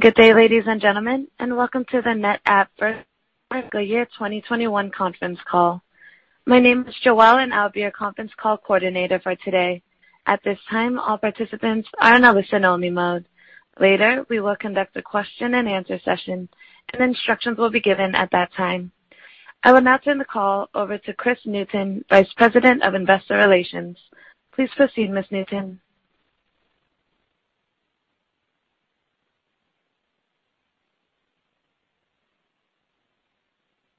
Good day, ladies and gentlemen, and welcome to the NetApp for the year 2021 conference call. My name is Joelle, and I'll be your conference call coordinator for today. At this time, all participants are in a listen-only mode. Later, we will conduct a question-and-answer session, and instructions will be given at that time. I will now turn the call over to Kris Newton, Vice President of Investor Relations. Please proceed, Ms. Newton.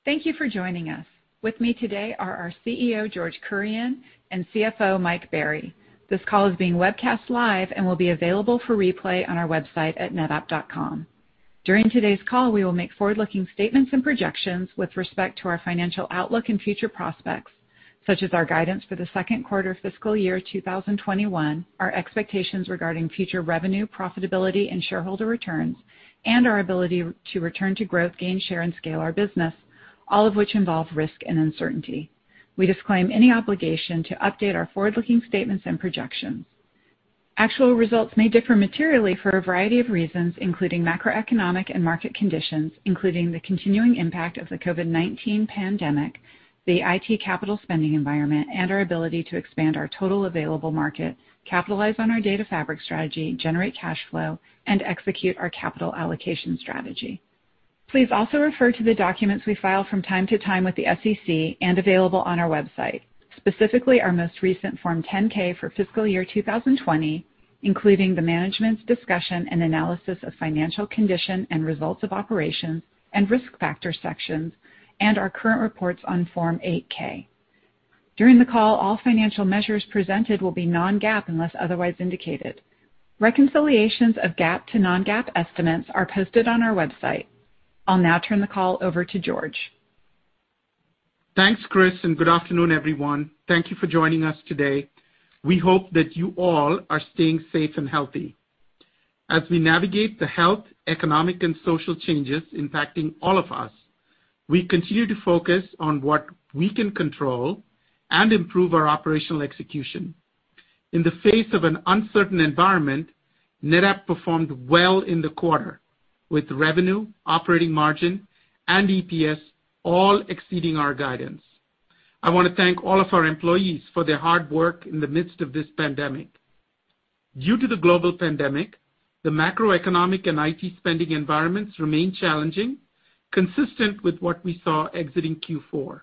Thank you for joining us. With me today are our CEO, George Kurian, and CFO, Mike Berry. This call is being webcast live and will be available for replay on our website at netapp.com. During today's call, we will make forward-looking statements and projections with respect to our financial outlook and future prospects, such as our guidance for the second quarter of fiscal year 2021, our expectations regarding future revenue, profitability, and shareholder returns, and our ability to return to growth, gain share, and scale our business, all of which involve risk and uncertainty. We disclaim any obligation to update our forward-looking statements and projections. Actual results may differ materially for a variety of reasons, including macroeconomic and market conditions, including the continuing impact of the COVID-19 pandemic, the IT capital spending environment, and our ability to expand our total available market, capitalize on our data fabric strategy, generate cash flow, and execute our capital allocation strategy. Please also refer to the documents we file from time to time with the SEC and available on our website, specifically our most recent Form 10-K for fiscal year 2020, including the management's discussion and analysis of financial condition and results of operations and risk factor sections, and our current reports on Form 8-K. During the call, all financial measures presented will be non-GAAP unless otherwise indicated. Reconciliations of GAAP to non-GAAP estimates are posted on our website. I'll now turn the call over to George. Thanks, Kris, and good afternoon, everyone. Thank you for joining us today. We hope that you all are staying safe and healthy. As we navigate the health, economic, and social changes impacting all of us, we continue to focus on what we can control and improve our operational execution. In the face of an uncertain environment, NetApp performed well in the quarter, with revenue, operating margin, and EPS all exceeding our guidance. I want to thank all of our employees for their hard work in the midst of this pandemic. Due to the global pandemic, the macroeconomic and IT spending environments remain challenging, consistent with what we saw exiting Q4.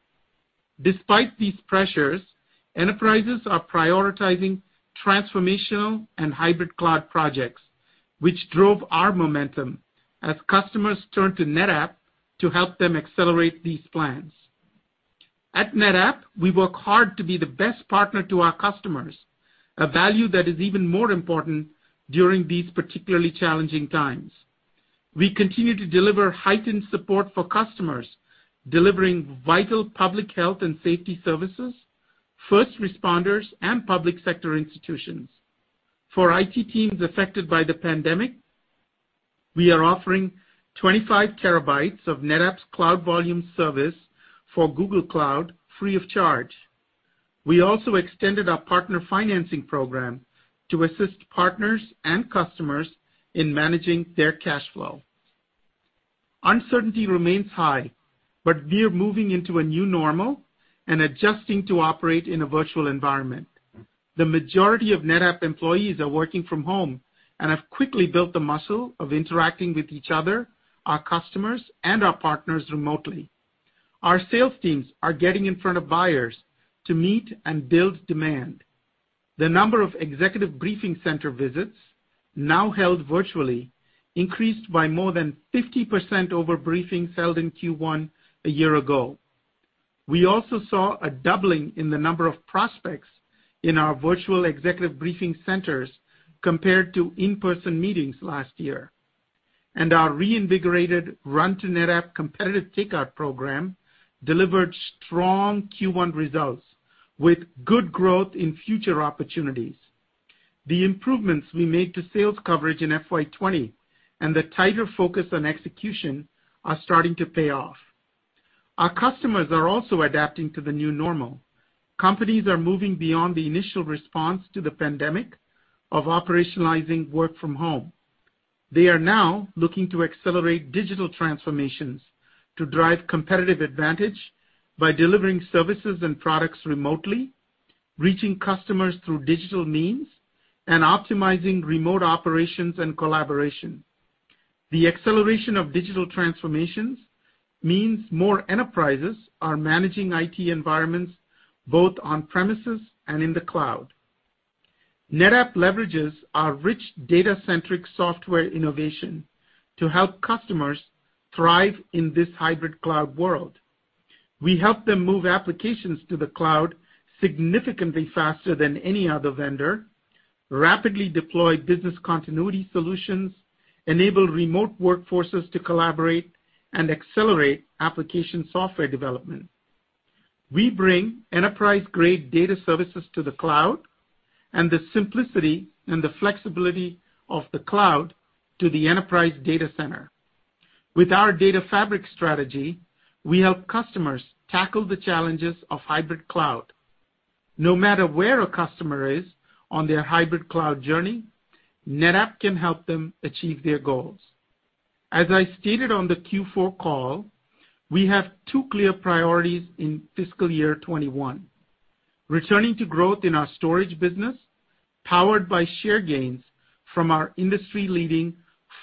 Despite these pressures, enterprises are prioritizing transformational and hybrid cloud projects, which drove our momentum as customers turned to NetApp to help them accelerate these plans. At NetApp, we work hard to be the best partner to our customers, a value that is even more important during these particularly challenging times. We continue to deliver heightened support for customers, delivering vital public health and safety services, first responders, and public sector institutions. For IT teams affected by the pandemic, we are offering 25 TB of NetApp's Cloud Volumes Service for Google Cloud free of charge. We also extended our partner financing program to assist partners and customers in managing their cash flow. Uncertainty remains high, but we are moving into a new normal and adjusting to operate in a virtual environment. The majority of NetApp employees are working from home and have quickly built the muscle of interacting with each other, our customers, and our partners remotely. Our sales teams are getting in front of buyers to meet and build demand. The number of executive briefing center visits, now held virtually, increased by more than 50% over briefings held in Q1 a year ago. We also saw a doubling in the number of prospects in our virtual executive briefing centers compared to in-person meetings last year. Our reinvigorated Run to NetApp competitive takeout program delivered strong Q1 results with good growth in future opportunities. The improvements we made to sales coverage in FY 2020 and the tighter focus on execution are starting to pay off. Our customers are also adapting to the new normal. Companies are moving beyond the initial response to the pandemic of operationalizing work from home. They are now looking to accelerate digital transformations to drive competitive advantage by delivering services and products remotely, reaching customers through digital means, and optimizing remote operations and collaboration. The acceleration of digital transformations means more enterprises are managing IT environments both on-premises and in the cloud. NetApp leverages our rich data-centric software innovation to help customers thrive in this hybrid cloud world. We help them move applications to the cloud significantly faster than any other vendor, rapidly deploy business continuity solutions, enable remote workforces to collaborate, and accelerate application software development. We bring enterprise-grade data services to the cloud and the simplicity and the flexibility of the cloud to the enterprise data center. With our data fabric strategy, we help customers tackle the challenges of hybrid cloud. No matter where a customer is on their hybrid cloud journey, NetApp can help them achieve their goals. As I stated on the Q4 call, we have two clear priorities in fiscal year 2021: returning to growth in our storage business powered by share gains from our industry-leading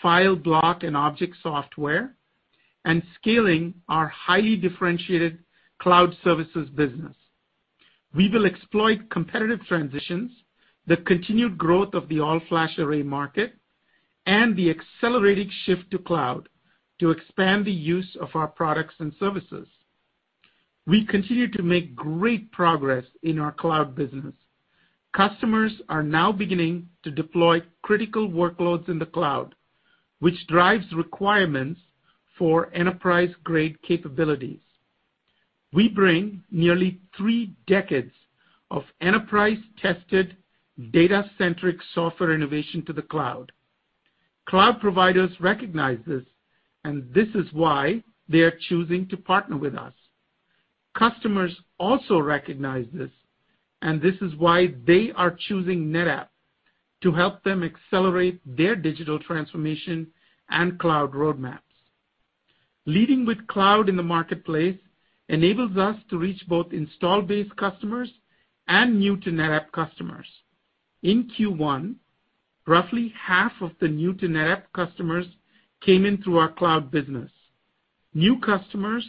file, block, and object software and scaling our highly differentiated cloud services business. We will exploit competitive transitions, the continued growth of the all-flash array market, and the accelerated shift to cloud to expand the use of our products and services. We continue to make great progress in our cloud business. Customers are now beginning to deploy critical workloads in the cloud, which drives requirements for enterprise-grade capabilities. We bring nearly three decades of enterprise-tested data-centric software innovation to the cloud. Cloud providers recognize this, and this is why they are choosing to partner with us. Customers also recognize this, and this is why they are choosing NetApp to help them accelerate their digital transformation and cloud roadmaps. Leading with cloud in the marketplace enables us to reach both install-based customers and new-to-NetApp customers. In Q1, roughly half of the new-to-NetApp customers came in through our cloud business. New customers,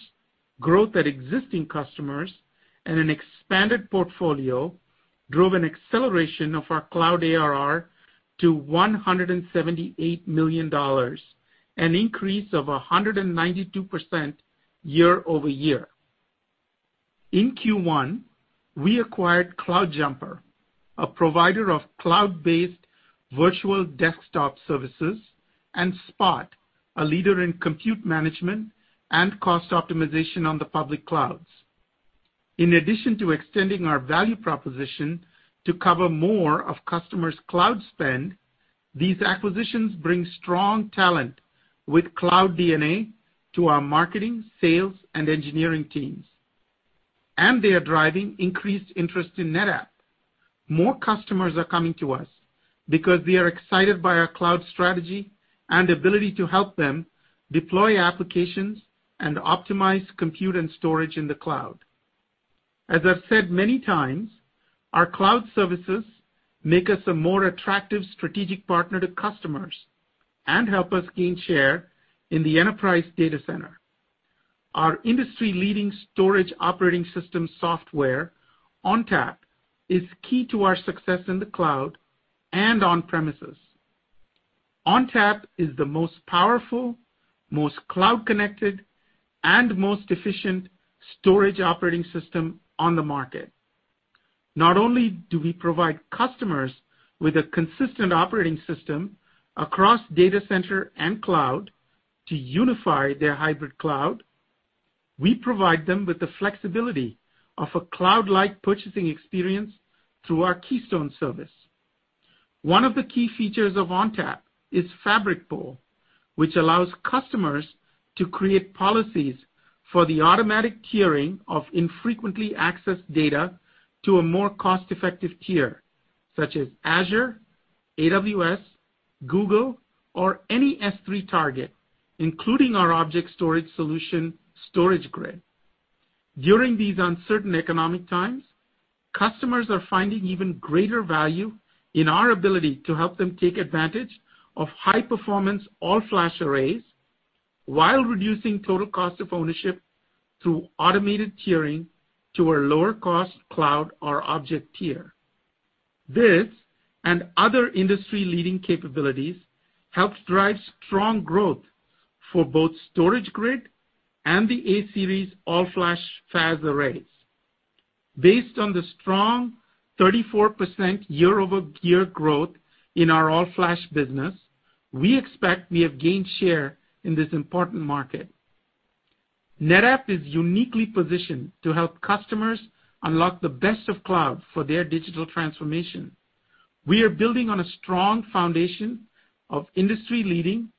growth at existing customers, and an expanded portfolio drove an acceleration of our cloud ARR to $178 million and an increase of 192% year over year. In Q1, we acquired CloudJumper, a provider of cloud-based virtual desktop services, and Spot, a leader in compute management and cost optimization on the public clouds. In addition to extending our value proposition to cover more of customers' cloud spend, these acquisitions bring strong talent with cloud DNA to our marketing, sales, and engineering teams, and they are driving increased interest in NetApp. More customers are coming to us because they are excited by our cloud strategy and ability to help them deploy applications and optimize compute and storage in the cloud. As I've said many times, our cloud services make us a more attractive strategic partner to customers and help us gain share in the enterprise data center. Our industry-leading storage operating system software, ONTAP, is key to our success in the cloud and on-premises. ONTAP is the most powerful, most cloud-connected, and most efficient storage operating system on the market. Not only do we provide customers with a consistent operating system across data center and cloud to unify their hybrid cloud, we provide them with the flexibility of a cloud-like purchasing experience through our Keystone service. One of the key features of ONTAP is FabricPool, which allows customers to create policies for the automatic tiering of infrequently accessed data to a more cost-effective tier, such as Azure, AWS, Google, or any S3 target, including our object storage solution, StorageGRID. During these uncertain economic times, customers are finding even greater value in our ability to help them take advantage of high-performance all-flash arrays while reducing total cost of ownership through automated tiering to a lower-cost cloud or object tier. This and other industry-leading capabilities help drive strong growth for both StorageGRID and the A-Series all-flash FAS arrays. Based on the strong 34% year-over-year growth in our all-flash business, we expect we have gained share in this important market. NetApp is uniquely positioned to help customers unlock the best of cloud for their digital transformation. We are building on a strong foundation of industry-leading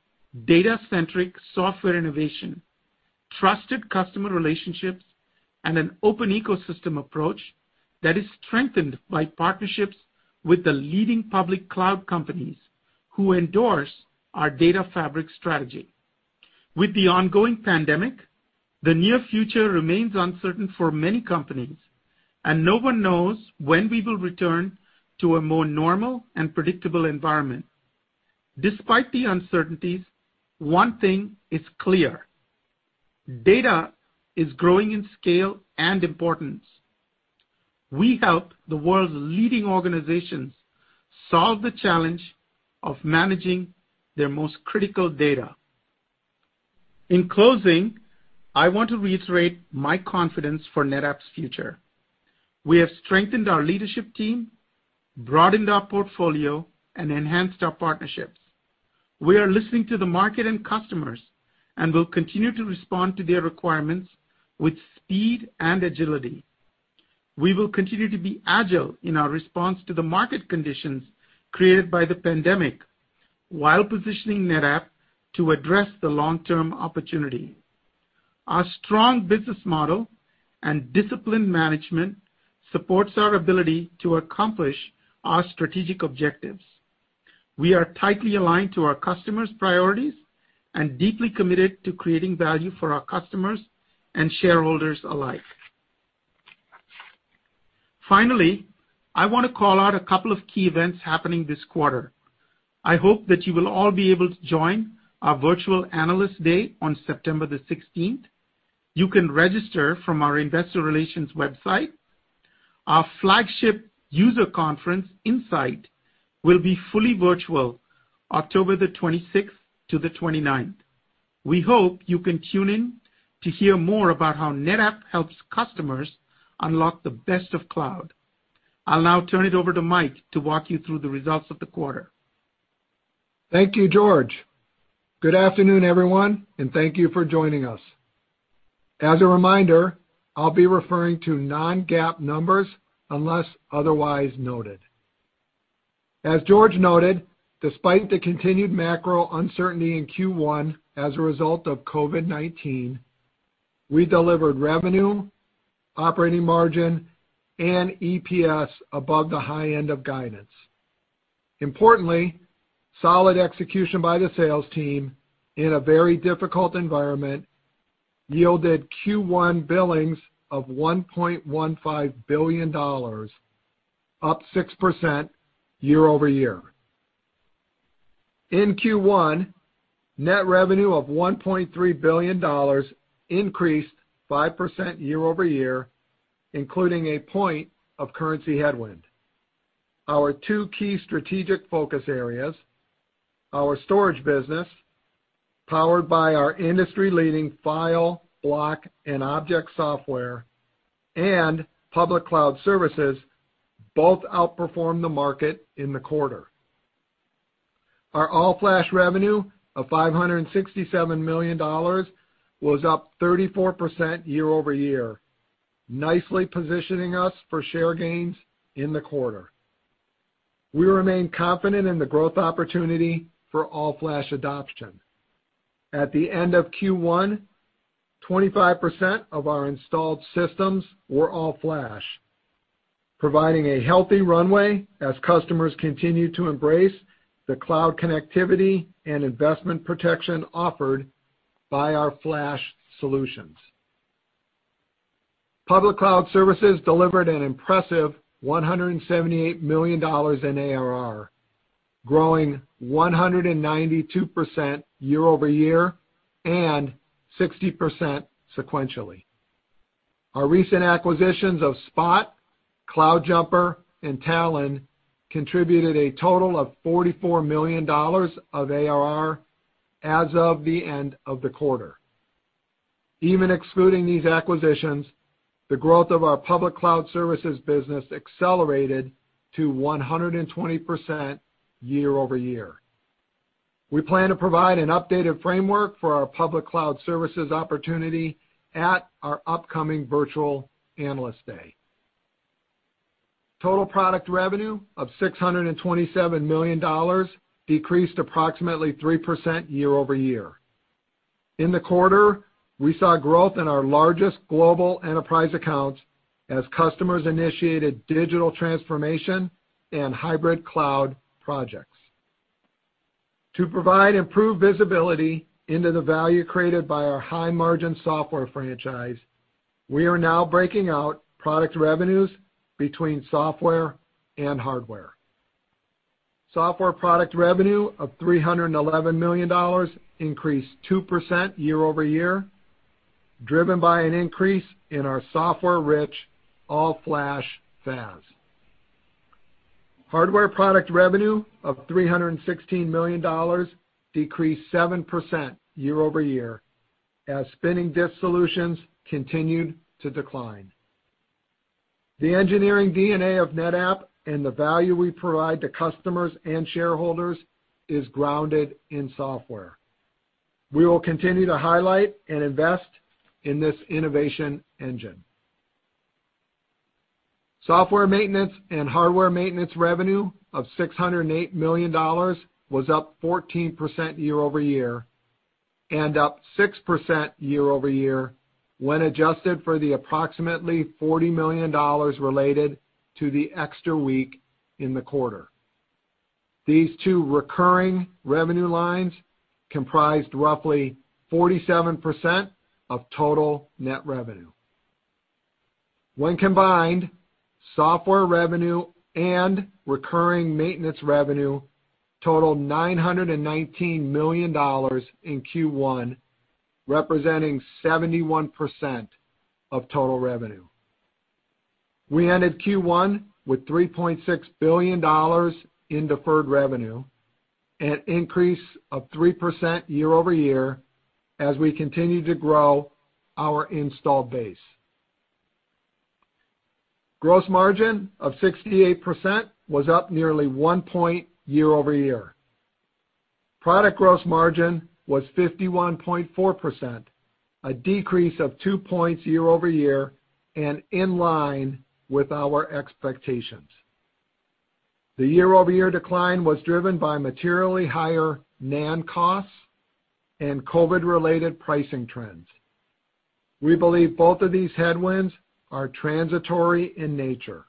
data-centric software innovation, trusted customer relationships, and an open ecosystem approach that is strengthened by partnerships with the leading public cloud companies who endorse our data fabric strategy. With the ongoing pandemic, the near future remains uncertain for many companies, and no one knows when we will return to a more normal and predictable environment. Despite the uncertainties, one thing is clear: data is growing in scale and importance. We help the world's leading organizations solve the challenge of managing their most critical data. In closing, I want to reiterate my confidence for NetApp's future. We have strengthened our leadership team, broadened our portfolio, and enhanced our partnerships. We are listening to the market and customers and will continue to respond to their requirements with speed and agility. We will continue to be agile in our response to the market conditions created by the pandemic while positioning NetApp to address the long-term opportunity. Our strong business model and disciplined management support our ability to accomplish our strategic objectives. We are tightly aligned to our customers' priorities and deeply committed to creating value for our customers and shareholders alike. Finally, I want to call out a couple of key events happening this quarter. I hope that you will all be able to join our virtual analyst day on September the 16th. You can register from our investor relations website. Our flagship user conference, Insight, will be fully virtual October the 26th to the 29th. We hope you can tune in to hear more about how NetApp helps customers unlock the best of cloud. I'll now turn it over to Mike to walk you through the results of the quarter. Thank you, George. Good afternoon, everyone, and thank you for joining us. As a reminder, I'll be referring to non-GAAP numbers unless otherwise noted. As George noted, despite the continued macro uncertainty in Q1 as a result of COVID-19, we delivered revenue, operating margin, and EPS above the high end of guidance. Importantly, solid execution by the sales team in a very difficult environment yielded Q1 billings of $1.15 billion, up 6% year over year. In Q1, net revenue of $1.3 billion increased 5% year over year, including a point of currency headwind. Our two key strategic focus areas, our storage business, powered by our industry-leading file, block, and object software, and public cloud services, both outperformed the market in the quarter. Our all-flash revenue of $567 million was up 34% year over year, nicely positioning us for share gains in the quarter. We remain confident in the growth opportunity for all-flash adoption. At the end of Q1, 25% of our installed systems were all-flash, providing a healthy runway as customers continue to embrace the cloud connectivity and investment protection offered by our flash solutions. Public cloud services delivered an impressive $178 million in ARR, growing 192% year over year and 60% sequentially. Our recent acquisitions of Spot, CloudJumper, and Talon contributed a total of $44 million of ARR as of the end of the quarter. Even excluding these acquisitions, the growth of our public cloud services business accelerated to 120% year over year. We plan to provide an updated framework for our public cloud services opportunity at our upcoming virtual analyst day. Total product revenue of $627 million decreased approximately 3% year over year. In the quarter, we saw growth in our largest global enterprise accounts as customers initiated digital transformation and hybrid cloud projects. To provide improved visibility into the value created by our high-margin software franchise, we are now breaking out product revenues between software and hardware. Software product revenue of $311 million increased 2% year over year, driven by an increase in our software-rich All-Flash FAS. Hardware product revenue of $316 million decreased 7% year over year as spinning disk solutions continued to decline. The engineering DNA of NetApp and the value we provide to customers and shareholders is grounded in software. We will continue to highlight and invest in this innovation engine. Software maintenance and hardware maintenance revenue of $608 million was up 14% year over year and up 6% year over year when adjusted for the approximately $40 million related to the extra week in the quarter. These two recurring revenue lines comprised roughly 47% of total net revenue. When combined, software revenue and recurring maintenance revenue totaled $919 million in Q1, representing 71% of total revenue. We ended Q1 with $3.6 billion in deferred revenue, an increase of 3% year over year as we continue to grow our install base. Gross margin of 68% was up nearly one point year over year. Product gross margin was 51.4%, a decrease of two points year over year and in line with our expectations. The year-over-year decline was driven by materially higher NAND costs and COVID-related pricing trends. We believe both of these headwinds are transitory in nature.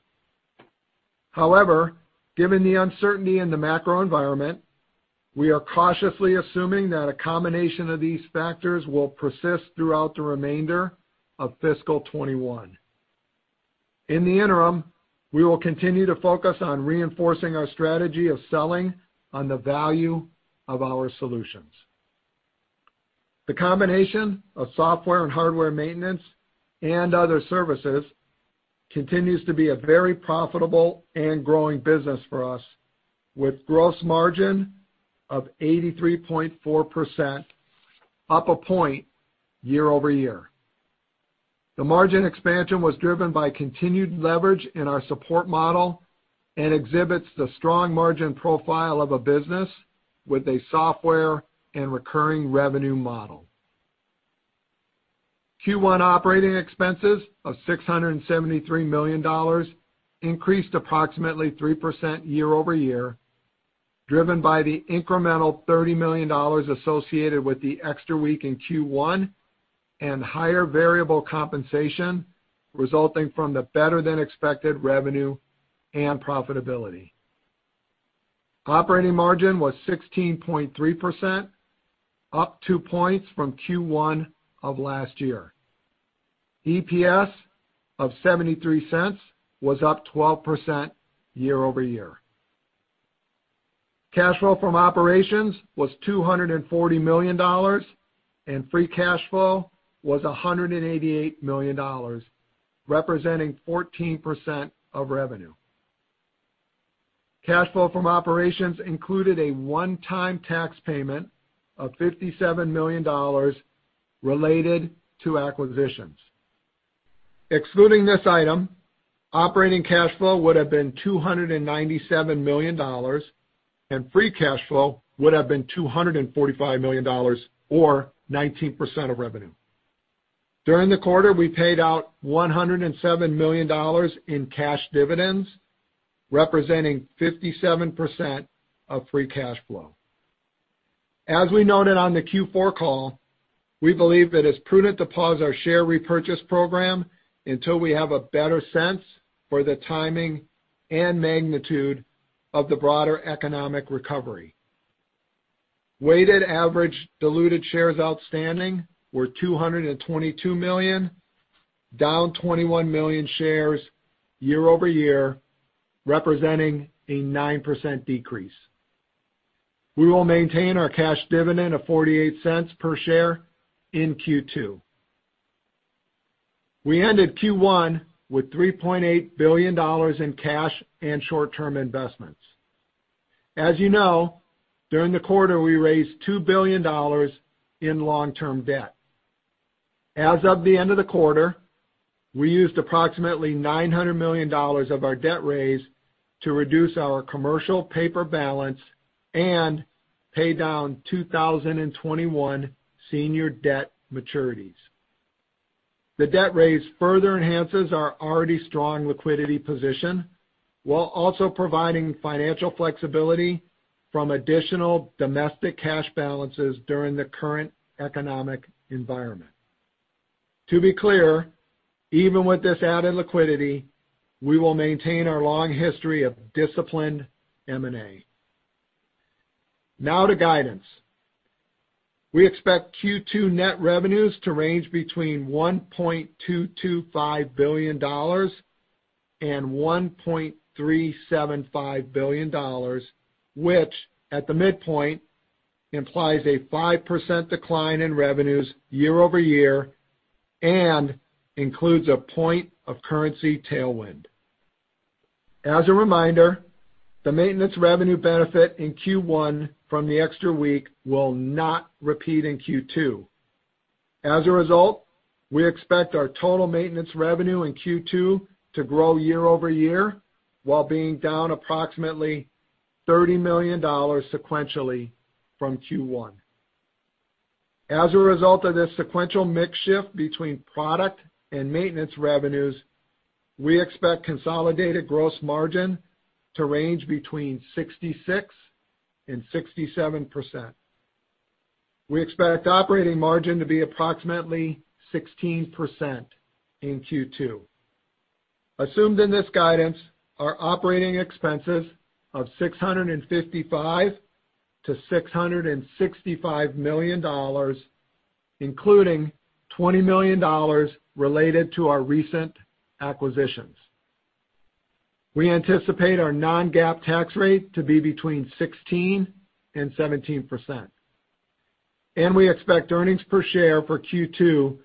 However, given the uncertainty in the macro environment, we are cautiously assuming that a combination of these factors will persist throughout the remainder of fiscal 2021. In the interim, we will continue to focus on reinforcing our strategy of selling on the value of our solutions. The combination of software and hardware maintenance and other services continues to be a very profitable and growing business for us, with gross margin of 83.4%, up a point year over year. The margin expansion was driven by continued leverage in our support model and exhibits the strong margin profile of a business with a software and recurring revenue model. Q1 operating expenses of $673 million increased approximately 3% year over year, driven by the incremental $30 million associated with the extra week in Q1 and higher variable compensation resulting from the better-than-expected revenue and profitability. Operating margin was 16.3%, up two points from Q1 of last year. EPS of $0.73 was up 12% year over year. Cash flow from operations was $240 million, and free cash flow was $188 million, representing 14% of revenue. Cash flow from operations included a one-time tax payment of $57 million related to acquisitions. Excluding this item, operating cash flow would have been $297 million, and free cash flow would have been $245 million, or 19% of revenue. During the quarter, we paid out $107 million in cash dividends, representing 57% of free cash flow. As we noted on the Q4 call, we believe it is prudent to pause our share repurchase program until we have a better sense for the timing and magnitude of the broader economic recovery. Weighted average diluted shares outstanding were 222 million, down 21 million shares year over year, representing a 9% decrease. We will maintain our cash dividend of $0.48 per share in Q2. We ended Q1 with $3.8 billion in cash and short-term investments. As you know, during the quarter, we raised $2 billion in long-term debt. As of the end of the quarter, we used approximately $900 million of our debt raise to reduce our commercial paper balance and pay down 2021 senior debt maturities. The debt raise further enhances our already strong liquidity position while also providing financial flexibility from additional domestic cash balances during the current economic environment. To be clear, even with this added liquidity, we will maintain our long history of disciplined M&A. Now to guidance. We expect Q2 net revenues to range between $1.225 billion and $1.375 billion, which, at the midpoint, implies a 5% decline in revenues year over year and includes a point of currency tailwind. As a reminder, the maintenance revenue benefit in Q1 from the extra week will not repeat in Q2. As a result, we expect our total maintenance revenue in Q2 to grow year over year while being down approximately $30 million sequentially from Q1. As a result of this sequential mix shift between product and maintenance revenues, we expect consolidated gross margin to range between 66% and 67%. We expect operating margin to be approximately 16% in Q2. Assumed in this guidance are operating expenses of $655 million-$665 million, including $20 million related to our recent acquisitions. We anticipate our non-GAAP tax rate to be between 16% and 17%. We expect earnings per share for Q2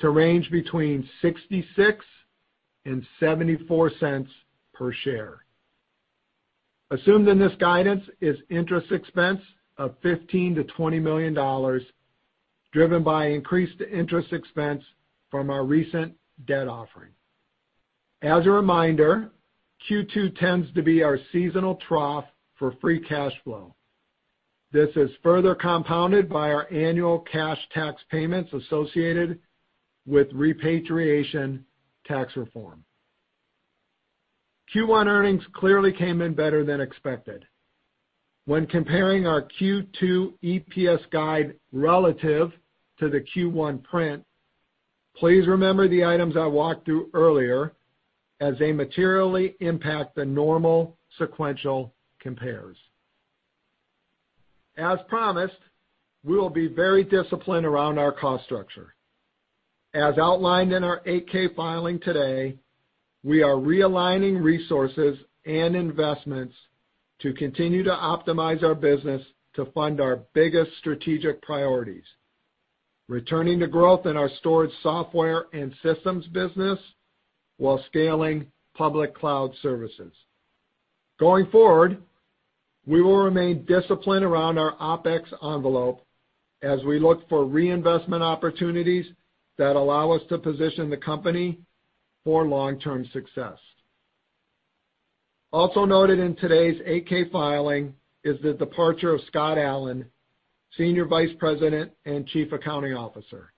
to range between $0.66 and $0.74 per share. Assumed in this guidance is interest expense of $15-$20 million, driven by increased interest expense from our recent debt offering. As a reminder, Q2 tends to be our seasonal trough for free cash flow. This is further compounded by our annual cash tax payments associated with repatriation tax reform. Q1 earnings clearly came in better than expected. When comparing our Q2 EPS guide relative to the Q1 print, please remember the items I walked through earlier as they materially impact the normal sequential compares. As promised, we will be very disciplined around our cost structure. As outlined in our 8-K filing today, we are realigning resources and investments to continue to optimize our business to fund our biggest strategic priorities, returning to growth in our storage software and systems business while scaling public cloud services. Going forward, we will remain disciplined around our OpEx envelope as we look for reinvestment opportunities that allow us to position the company for long-term success. Also noted in today's 8-K filing is the departure of Scott Allen, Senior Vice President and Chief Accounting Officer.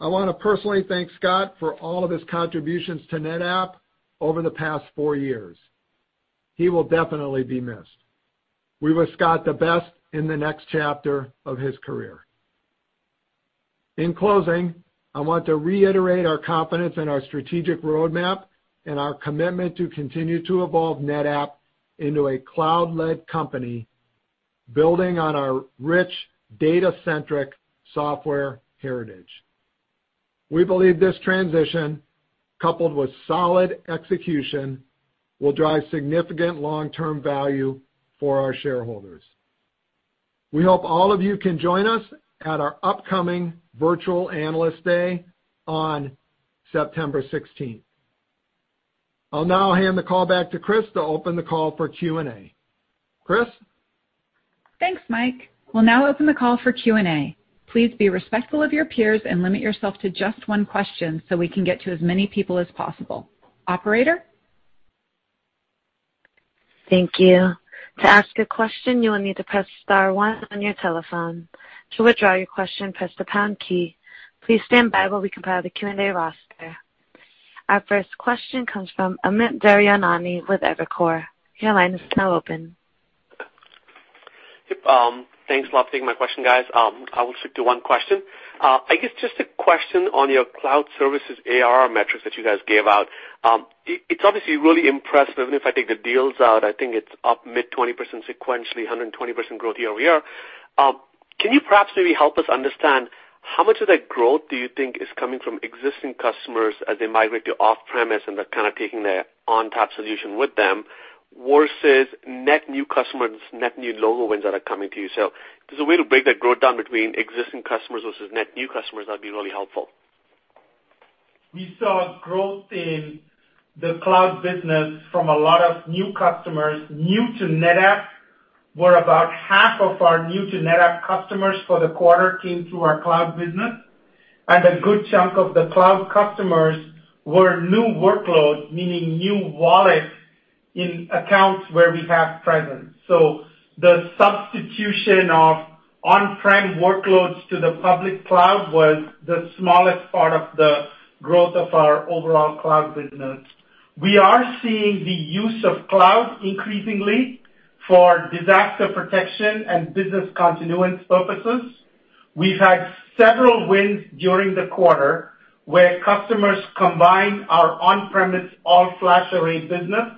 I want to personally thank Scott for all of his contributions to NetApp over the past four years. He will definitely be missed. We wish Scott the best in the next chapter of his career. In closing, I want to reiterate our confidence in our strategic roadmap and our commitment to continue to evolve NetApp into a cloud-led company building on our rich data-centric software heritage. We believe this transition, coupled with solid execution, will drive significant long-term value for our shareholders. We hope all of you can join us at our upcoming virtual analyst day on September 16th. I'll now hand the call back to Kris to open the call for Q&A. Kris? Thanks, Mike. We'll now open the call for Q&A. Please be respectful of your peers and limit yourself to just one question so we can get to as many people as possible. Operator? Thank you. To ask a question, you will need to press star one on your telephone. To withdraw your question, press the pound key. Please stand by while we compile the Q&A roster. Our first question comes from Amit Daryanani with Evercore. Your line is now open. Thanks a lot for taking my question, guys. I will stick to one question. I guess just a question on your cloud services ARR metrics that you guys gave out. It's obviously really impressive, even if I take the deals out, I think it's up mid-20% sequentially, 120% growth year over year. Can you perhaps maybe help us understand how much of that growth do you think is coming from existing customers as they migrate to off-premise and they're kind of taking their ONTAP solution with them, versus net new customers, net new logo wins that are coming to you? If there's a way to break that growth down between existing customers versus net new customers, that would be really helpful. We saw growth in the cloud business from a lot of new customers. New to NetApp, where about half of our new to NetApp customers for the quarter came through our cloud business, and a good chunk of the cloud customers were new workloads, meaning new wallets in accounts where we have presence. The substitution of on-prem workloads to the public cloud was the smallest part of the growth of our overall cloud business. We are seeing the use of cloud increasingly for disaster protection and business continuance purposes. We've had several wins during the quarter where customers combined our on-premise all-flash array business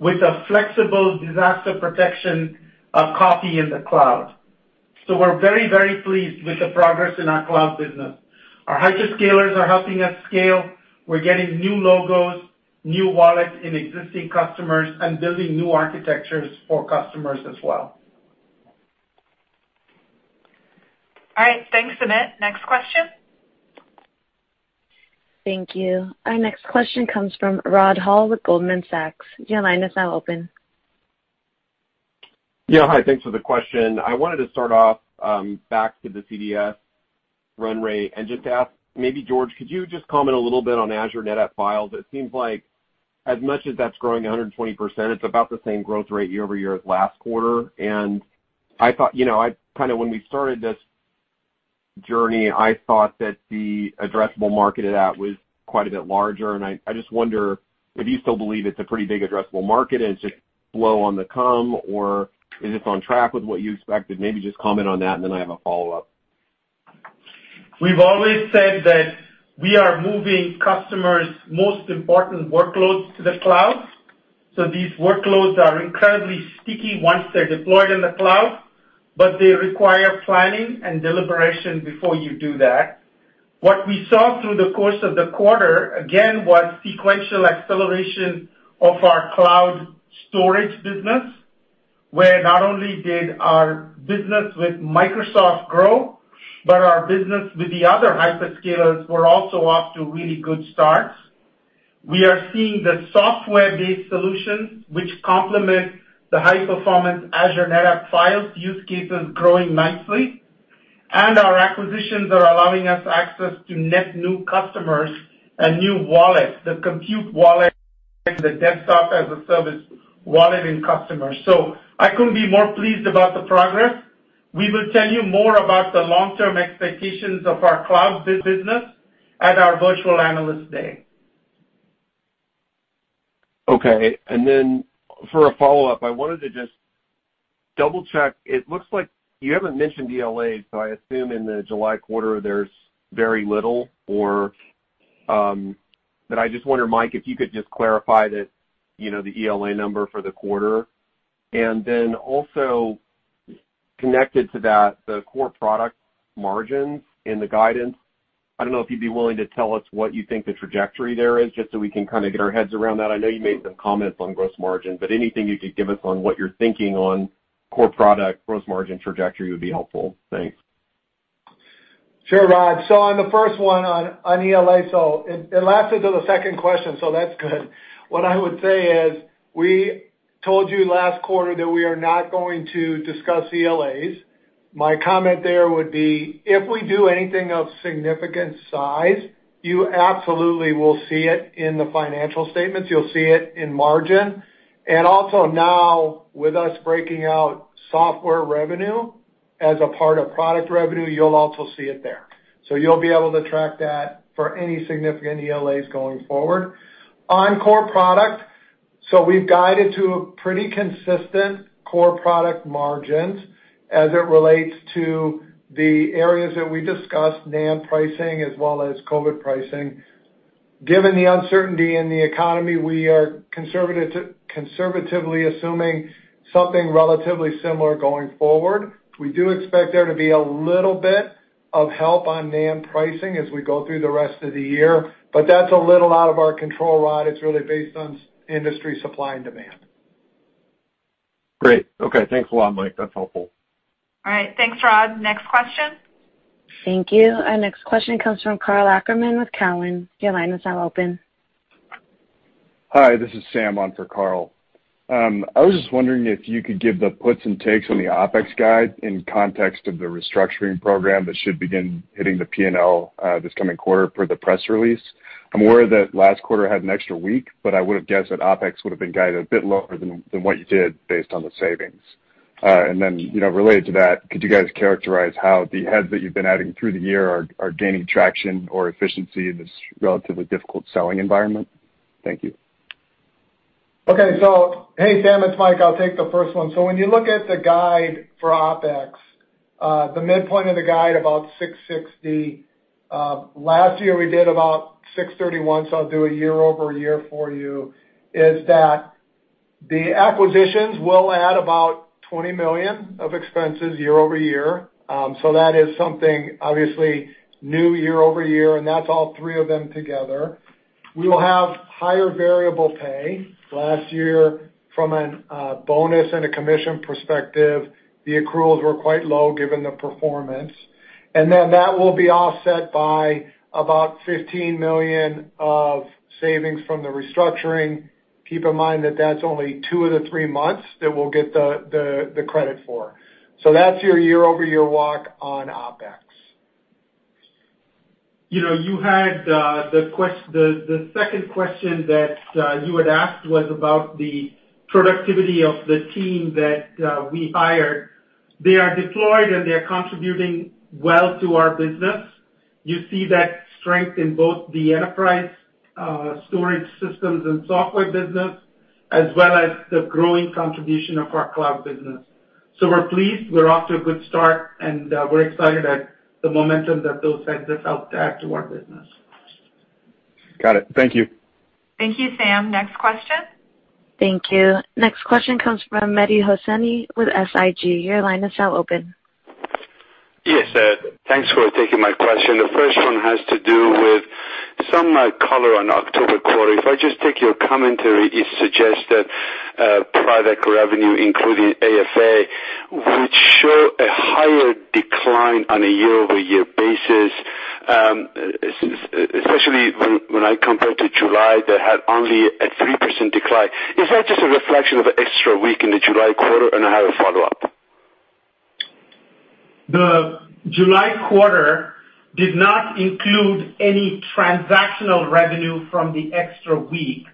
with a flexible disaster protection copy in the cloud. We're very, very pleased with the progress in our cloud business. Our hyperscalers are helping us scale. We're getting new logos, new wallets in existing customers, and building new architectures for customers as well. All right. Thanks, Amit. Next question? Thank you. Our next question comes from Rod Hall with Goldman Sachs. Your line is now open. Yeah. Hi. Thanks for the question. I wanted to start off back to the CDS run rate and just ask, maybe, George, could you just comment a little bit on Azure NetApp Files? It seems like as much as that's growing 120%, it's about the same growth rate year over year as last quarter. I thought kind of when we started this journey, I thought that the addressable market at that was quite a bit larger. I just wonder if you still believe it's a pretty big addressable market and it's just slow on the come, or is this on track with what you expected? Maybe just comment on that, and then I have a follow-up. We've always said that we are moving customers' most important workloads to the cloud. These workloads are incredibly sticky once they're deployed in the cloud, but they require planning and deliberation before you do that. What we saw through the course of the quarter, again, was sequential acceleration of our cloud storage business, where not only did our business with Microsoft grow, but our business with the other hyperscalers was also off to really good starts. We are seeing the software-based solutions, which complement the high-performance Azure NetApp Files use cases, growing nicely. Our acquisitions are allowing us access to net new customers and new wallets, the compute wallet and the desktop as a service wallet and customers. I could not be more pleased about the progress. We will tell you more about the long-term expectations of our cloud business at our virtual analyst day. Okay. For a follow-up, I wanted to just double-check. It looks like you have not mentioned ELA, so I assume in the July quarter there is very little, or I just wonder, Mike, if you could just clarify the ELA number for the quarter. Also connected to that, the core product margins in the guidance. I do not know if you would be willing to tell us what you think the trajectory there is, just so we can kind of get our heads around that. I know you made some comments on gross margin, but anything you could give us on what you're thinking on core product gross margin trajectory would be helpful. Thanks. Sure, Rod. On the first one on ELA, it lasted till the second question, so that's good. What I would say is we told you last quarter that we are not going to discuss ELAs. My comment there would be if we do anything of significant size, you absolutely will see it in the financial statements. You'll see it in margin. Also now, with us breaking out software revenue as a part of product revenue, you'll also see it there. You'll be able to track that for any significant ELAs going forward. On core product, so we've guided to a pretty consistent core product margins as it relates to the areas that we discussed, NAND pricing as well as COVID pricing. Given the uncertainty in the economy, we are conservatively assuming something relatively similar going forward. We do expect there to be a little bit of help on NAND pricing as we go through the rest of the year, but that's a little out of our control, Rod. It's really based on industry supply and demand. Great. Okay. Thanks a lot, Mike. That's helpful. All right. Thanks, Rod. Next question? Thank you. Our next question comes from Karl Ackerman with Cowen. Your line is now open. Hi. This is Sam on for Karl. I was just wondering if you could give the puts and takes on the OpEx guide in context of the restructuring program that should begin hitting the P&L this coming quarter per the press release. I'm aware that last quarter had an extra week, but I would have guessed that OpEx would have been guided a bit lower than what you did based on the savings. Related to that, could you guys characterize how the heads that you've been adding through the year are gaining traction or efficiency in this relatively difficult selling environment? Thank you. Okay. Hey, Sam, it's Mike. I'll take the first one. When you look at the guide for OpEx, the midpoint of the guide, about $660. Last year, we did about $631 million, so I'll do a year-over-year for you, is that the acquisitions will add about $20 million of expenses year over year. That is something obviously new year over year, and that's all three of them together. We will have higher variable pay. Last year, from a bonus and a commission perspective, the accruals were quite low given the performance. That will be offset by about $15 million of savings from the restructuring. Keep in mind that that's only two of the three months that we'll get the credit for. That is your year-over-year walk on OpEx. You had the second question that you had asked was about the productivity of the team that we hired. They are deployed, and they are contributing well to our business. You see that strength in both the enterprise storage systems and software business, as well as the growing contribution of our cloud business. We are pleased. We are off to a good start, and we are excited at the momentum that those heads have helped add to our business. Got it. Thank you. Thank you, Sam. Next question? Thank you. Next question comes from Mehdi Hosseini with SIG. Your line is now open. Yes, thanks for taking my question. The first one has to do with some color on October quarter. If I just take your commentary, it suggests that private revenue, including AFA, would show a higher decline on a year-over-year basis, especially when I compare to July that had only a 3% decline. Is that just a reflection of an extra week in the July quarter? I have a follow-up. The July quarter did not include any transactional revenue from the extra week.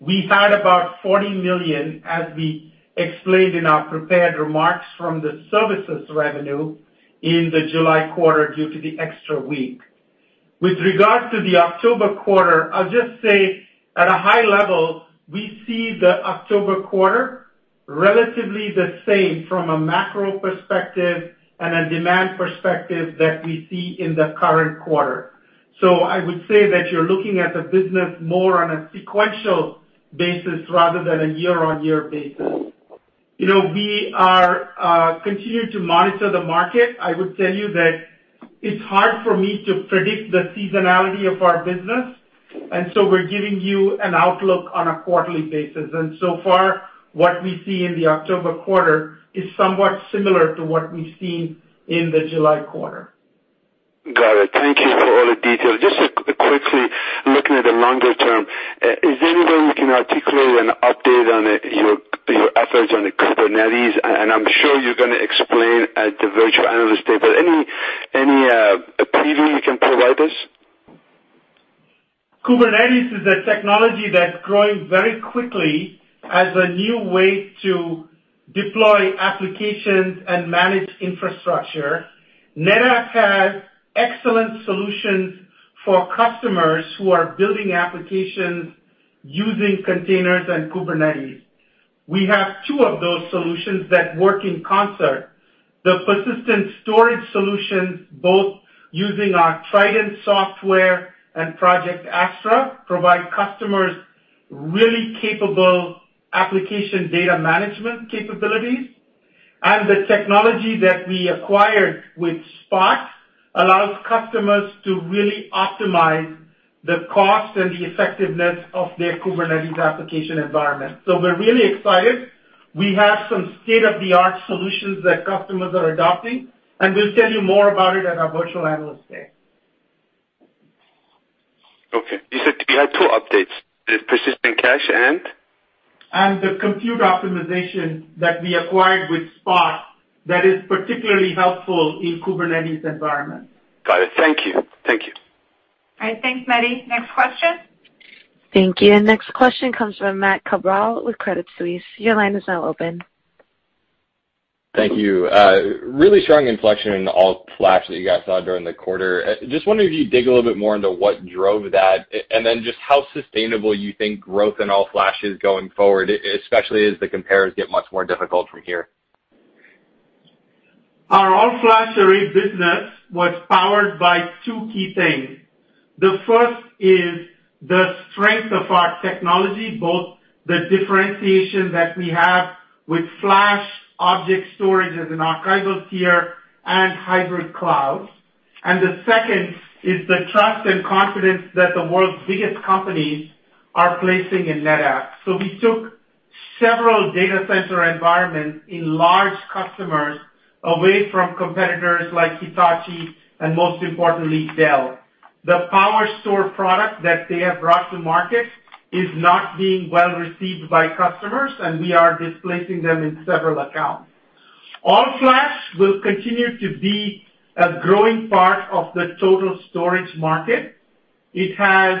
We had about $40 million, as we explained in our prepared remarks, from the services revenue in the July quarter due to the extra week. With regard to the October quarter, I'll just say at a high level, we see the October quarter relatively the same from a macro perspective and a demand perspective that we see in the current quarter. I would say that you're looking at the business more on a sequential basis rather than a year-on-year basis. We continue to monitor the market. I would tell you that it's hard for me to predict the seasonality of our business, and we are giving you an outlook on a quarterly basis. So far, what we see in the October quarter is somewhat similar to what we've seen in the July quarter. Got it. Thank you for all the details. Just quickly looking at the longer term, is there any way we can articulate an update on your efforts on Kubernetes? I'm sure you're going to explain at the virtual analyst day, but any preview you can provide us? Kubernetes is a technology that's growing very quickly as a new way to deploy applications and manage infrastructure. NetApp has excellent solutions for customers who are building applications using containers and Kubernetes. We have two of those solutions that work in concert. The persistent storage solutions, both using our Trident software and Project Astra, provide customers really capable application data management capabilities. The technology that we acquired with Spot allows customers to really optimize the cost and the effectiveness of their Kubernetes application environment. We are really excited. We have some state-of-the-art solutions that customers are adopting, and we'll tell you more about it at our virtual analyst day. Okay. You said you had two updates. The persistent cache and the compute optimization that we acquired with Spot that is particularly helpful in Kubernetes environments. Got it. Thank you. Thank you. All right. Thanks, Mehdi. Next question? Thank you. Next question comes from Matt Cabral with Credit Suisse. Your line is now open. Thank you. Really strong inflection in all-flash that you guys saw during the quarter. Just wondering if you'd dig a little bit more into what drove that, and then just how sustainable you think growth in all-flash is going forward, especially as the comparison gets much more difficult from here. Our all-flash array business was powered by two key things. The first is the strength of our technology, both the differentiation that we have with flash object storage as an archival tier and hybrid cloud. The second is the trust and confidence that the world's biggest companies are placing in NetApp. We took several data center environments in large customers away from competitors like Hitachi and, most importantly, Dell. The PowerStore product that they have brought to market is not being well received by customers, and we are displacing them in several accounts. All-flash will continue to be a growing part of the total storage market. It has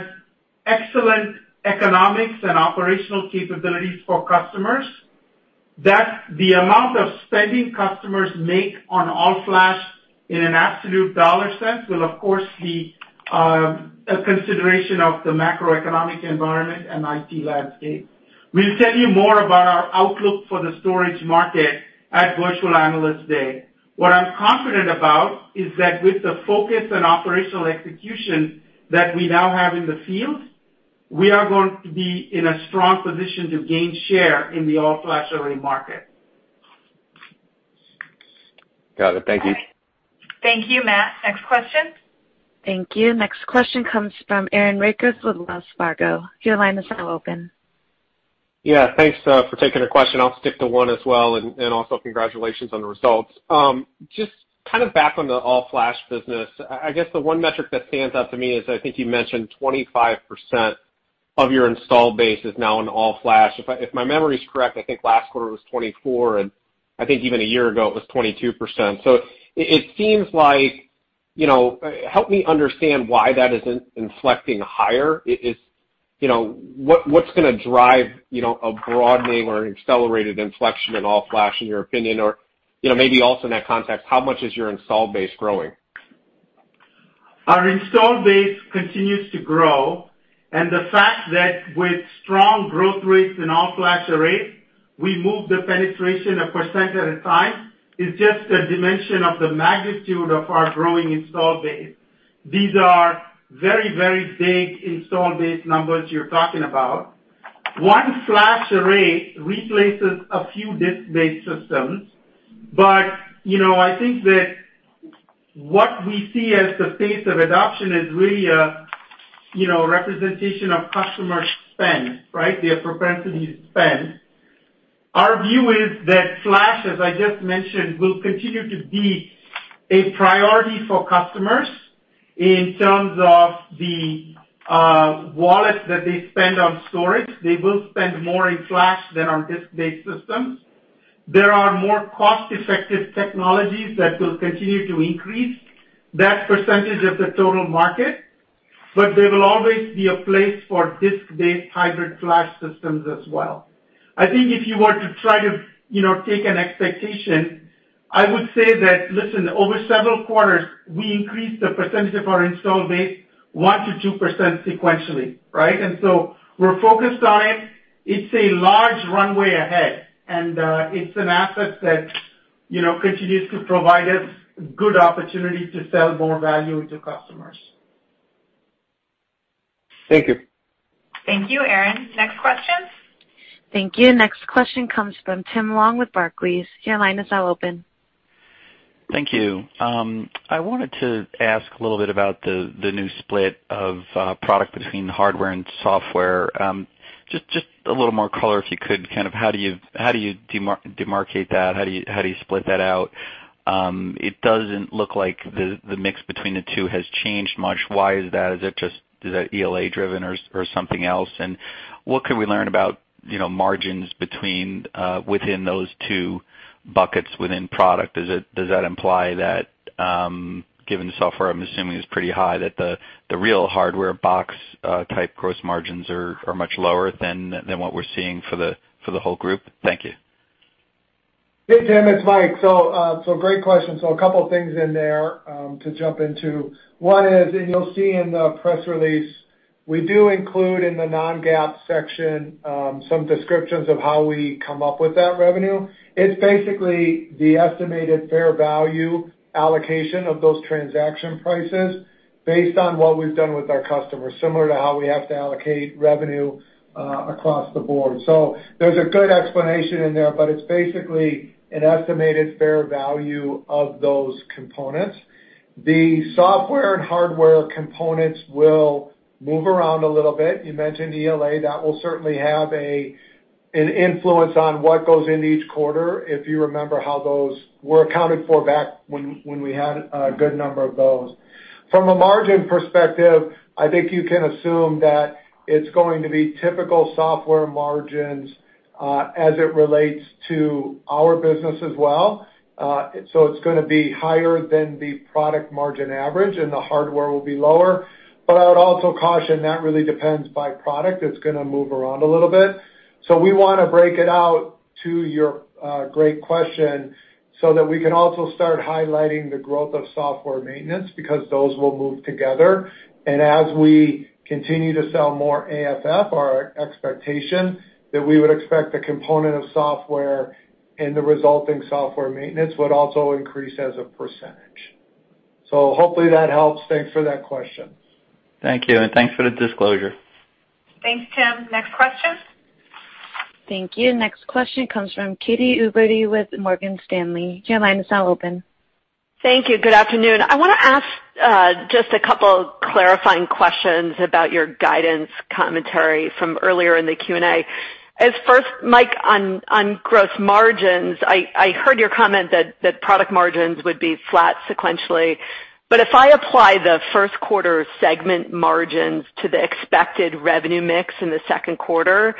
excellent economics and operational capabilities for customers. The amount of spending customers make on all-flash in an absolute dollar sense will, of course, be a consideration of the macroeconomic environment and IT landscape. We'll tell you more about our outlook for the storage market at virtual analyst day. What I'm confident about is that with the focus and operational execution that we now have in the field, we are going to be in a strong position to gain share in the all-flash array market. Got it. Thank you. Thank you, Matt. Next question? Thank you. Next question comes from Aaron Rakers with Wells Fargo. Your line is now open. Yeah. Thanks for taking the question. I'll stick to one as well, and also congratulations on the results. Just kind of back on the all-flash business, I guess the one metric that stands out to me is I think you mentioned 25% of your install base is now in all-flash. If my memory is correct, I think last quarter it was 24%, and I think even a year ago it was 22%. So it seems like help me understand why that is inflecting higher. What's going to drive a broadening or an accelerated inflection in all-flash, in your opinion? Or maybe also in that context, how much is your install base growing? Our install base continues to grow, and the fact that with strong growth rates in all-flash arrays, we move the penetration a percent at a time is just a dimension of the magnitude of our growing install base. These are very, very big install base numbers you're talking about. One-flash array replaces a few disk-based systems, but I think that what we see as the pace of adoption is really a representation of customer spend, right? Their propensity to spend. Our view is that flash, as I just mentioned, will continue to be a priority for customers in terms of the wallets that they spend on storage. They will spend more in flash than on disk-based systems. There are more cost-effective technologies that will continue to increase that percentage of the total market, but there will always be a place for disk-based hybrid flash systems as well. I think if you were to try to take an expectation, I would say that, "Listen, over several quarters, we increased the percentage of our install base 1%-2% sequentially," right? We are focused on it. It is a large runway ahead, and it is an asset that continues to provide us good opportunity to sell more value to customers. Thank you. Thank you, Aaron. Next question? Thank you. Next question comes from Tim Long with Barclays. Your line is now open. Thank you. I wanted to ask a little bit about the new split of product between hardware and software. Just a little more color if you could. Kind of how do you demarcate that? How do you split that out? It doesn't look like the mix between the two has changed much. Why is that? Is that ELA-driven or something else? What can we learn about margins within those two buckets within product? Does that imply that, given the software I'm assuming is pretty high, that the real hardware box-type gross margins are much lower than what we're seeing for the whole group? Thank you. Hey, Tim. It's Mike. Great question. A couple of things in there to jump into. One is, and you'll see in the press release, we do include in the non-GAAP section some descriptions of how we come up with that revenue. It's basically the estimated fair value allocation of those transaction prices based on what we've done with our customers, similar to how we have to allocate revenue across the board. There is a good explanation in there, but it is basically an estimated fair value of those components. The software and hardware components will move around a little bit. You mentioned ELA. That will certainly have an influence on what goes into each quarter, if you remember how those were accounted for back when we had a good number of those. From a margin perspective, I think you can assume that it is going to be typical software margins as it relates to our business as well. It is going to be higher than the product margin average, and the hardware will be lower. I would also caution that really depends by product. It is going to move around a little bit. We want to break it out to your great question so that we can also start highlighting the growth of software maintenance because those will move together. As we continue to sell more AFF, our expectation is that the component of software and the resulting software maintenance would also increase as a percentage. Hopefully that helps. Thanks for that question. Thank you. Thanks for the disclosure. Thanks, Tim. Next question? Thank you. Next question comes from Katy Huberty with Morgan Stanley. Your line is now open. Thank you. Good afternoon. I want to ask just a couple of clarifying questions about your guidance commentary from earlier in the Q&A. As for Mike on gross margins, I heard your comment that product margins would be flat sequentially. If I apply the first quarter segment margins to the expected revenue mix in the second quarter,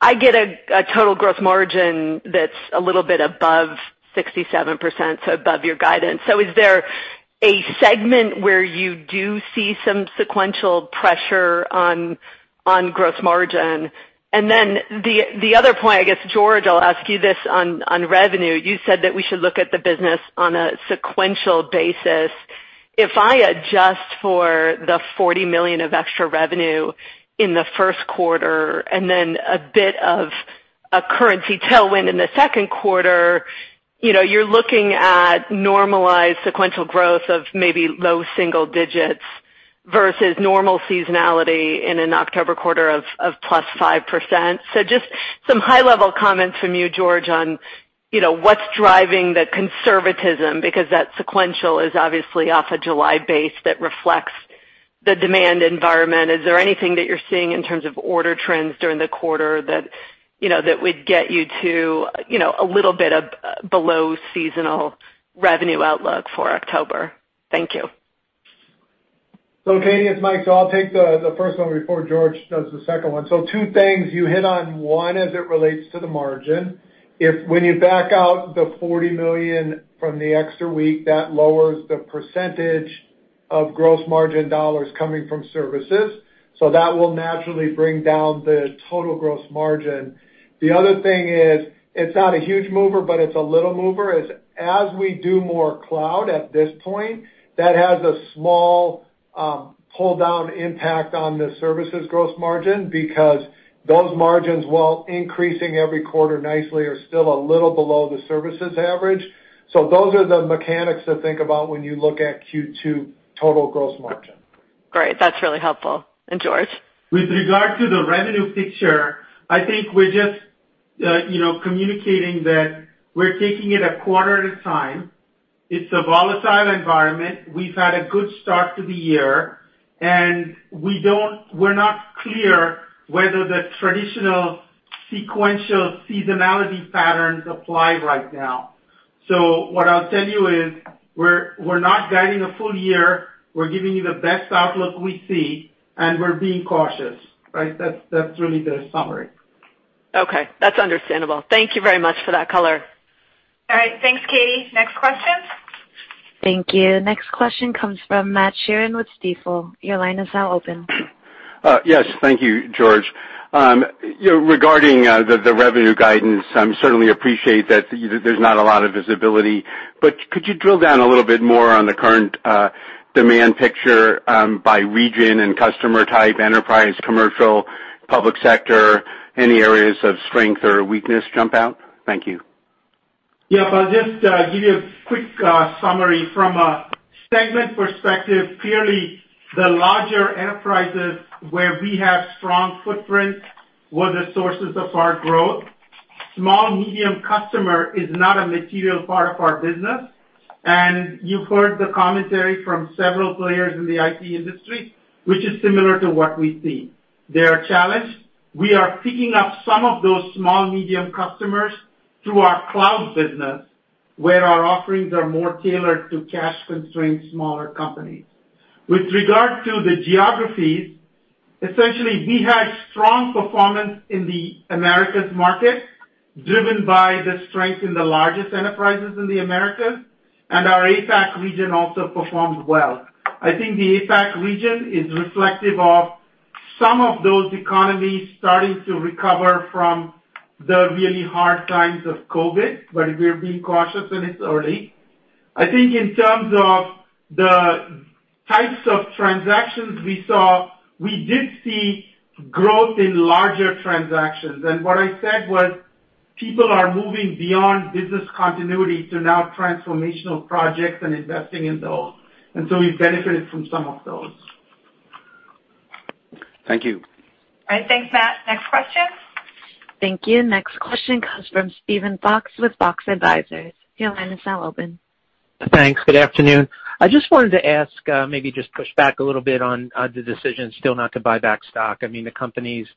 I get a total gross margin that's a little bit above 67%, so above your guidance. Is there a segment where you do see some sequential pressure on gross margin? The other point, I guess, George, I'll ask you this on revenue. You said that we should look at the business on a sequential basis. If I adjust for the $40 million of extra revenue in the first quarter and then a bit of a currency tailwind in the second quarter, you're looking at normalized sequential growth of maybe low single digits versus normal seasonality in an October quarter of +5%. Just some high-level comments from you, George, on what's driving the conservatism because that sequential is obviously off a July base that reflects the demand environment. Is there anything that you're seeing in terms of order trends during the quarter that would get you to a little bit of below-seasonal revenue outlook for October? Thank you. Katie, it's Mike. I'll take the first one before George does the second one. Two things. You hit on one as it relates to the margin. When you back out the $40 million from the extra week, that lowers the percentage of gross margin dollars coming from services. That will naturally bring down the total gross margin. The other thing is it's not a huge mover, but it's a little mover. As we do more cloud at this point, that has a small pull-down impact on the services gross margin because those margins, while increasing every quarter nicely, are still a little below the services average. Those are the mechanics to think about when you look at Q2 total gross margin. Great. That's really helpful. George? With regard to the revenue picture, I think we're just communicating that we're taking it a quarter at a time. It's a volatile environment. We've had a good start to the year, and we're not clear whether the traditional sequential seasonality patterns apply right now. What I'll tell you is we're not guiding a full year. We're giving you the best outlook we see, and we're being cautious, right? That's really the summary. Okay. That's understandable. Thank you very much for that color. All right. Thanks, Katy. Next question? Thank you. Next question comes from Matt Sheerin with Stifel. Your line is now open. Yes. Thank you, George. Regarding the revenue guidance, I certainly appreciate that there's not a lot of visibility. Could you drill down a little bit more on the current demand picture by region and customer type: enterprise, commercial, public sector? Any areas of strength or weakness jump out? Thank you. Yep. I'll just give you a quick summary. From a segment perspective, clearly the larger enterprises where we have strong footprints were the sources of our growth. Small, medium customer is not a material part of our business. You have heard the commentary from several players in the IT industry, which is similar to what we see. They are challenged. We are picking up some of those small, medium customers through our cloud business, where our offerings are more tailored to cash-constrained smaller companies. With regard to the geographies, essentially we had strong performance in the Americas market, driven by the strength in the largest enterprises in the Americas. Our APAC region also performed well. I think the APAC region is reflective of some of those economies starting to recover from the really hard times of COVID, but we are being cautious and it is early. I think in terms of the types of transactions we saw, we did see growth in larger transactions. What I said was people are moving beyond business continuity to now transformational projects and investing in those. We have benefited from some of those. Thank you. All right. Thanks, Matt. Next question? Thank you. Next question comes from Steven Fox with Fox Advisors. Your line is now open. Thanks. Good afternoon. I just wanted to ask, maybe just push back a little bit on the decision still not to buy back stock. I mean, the companies,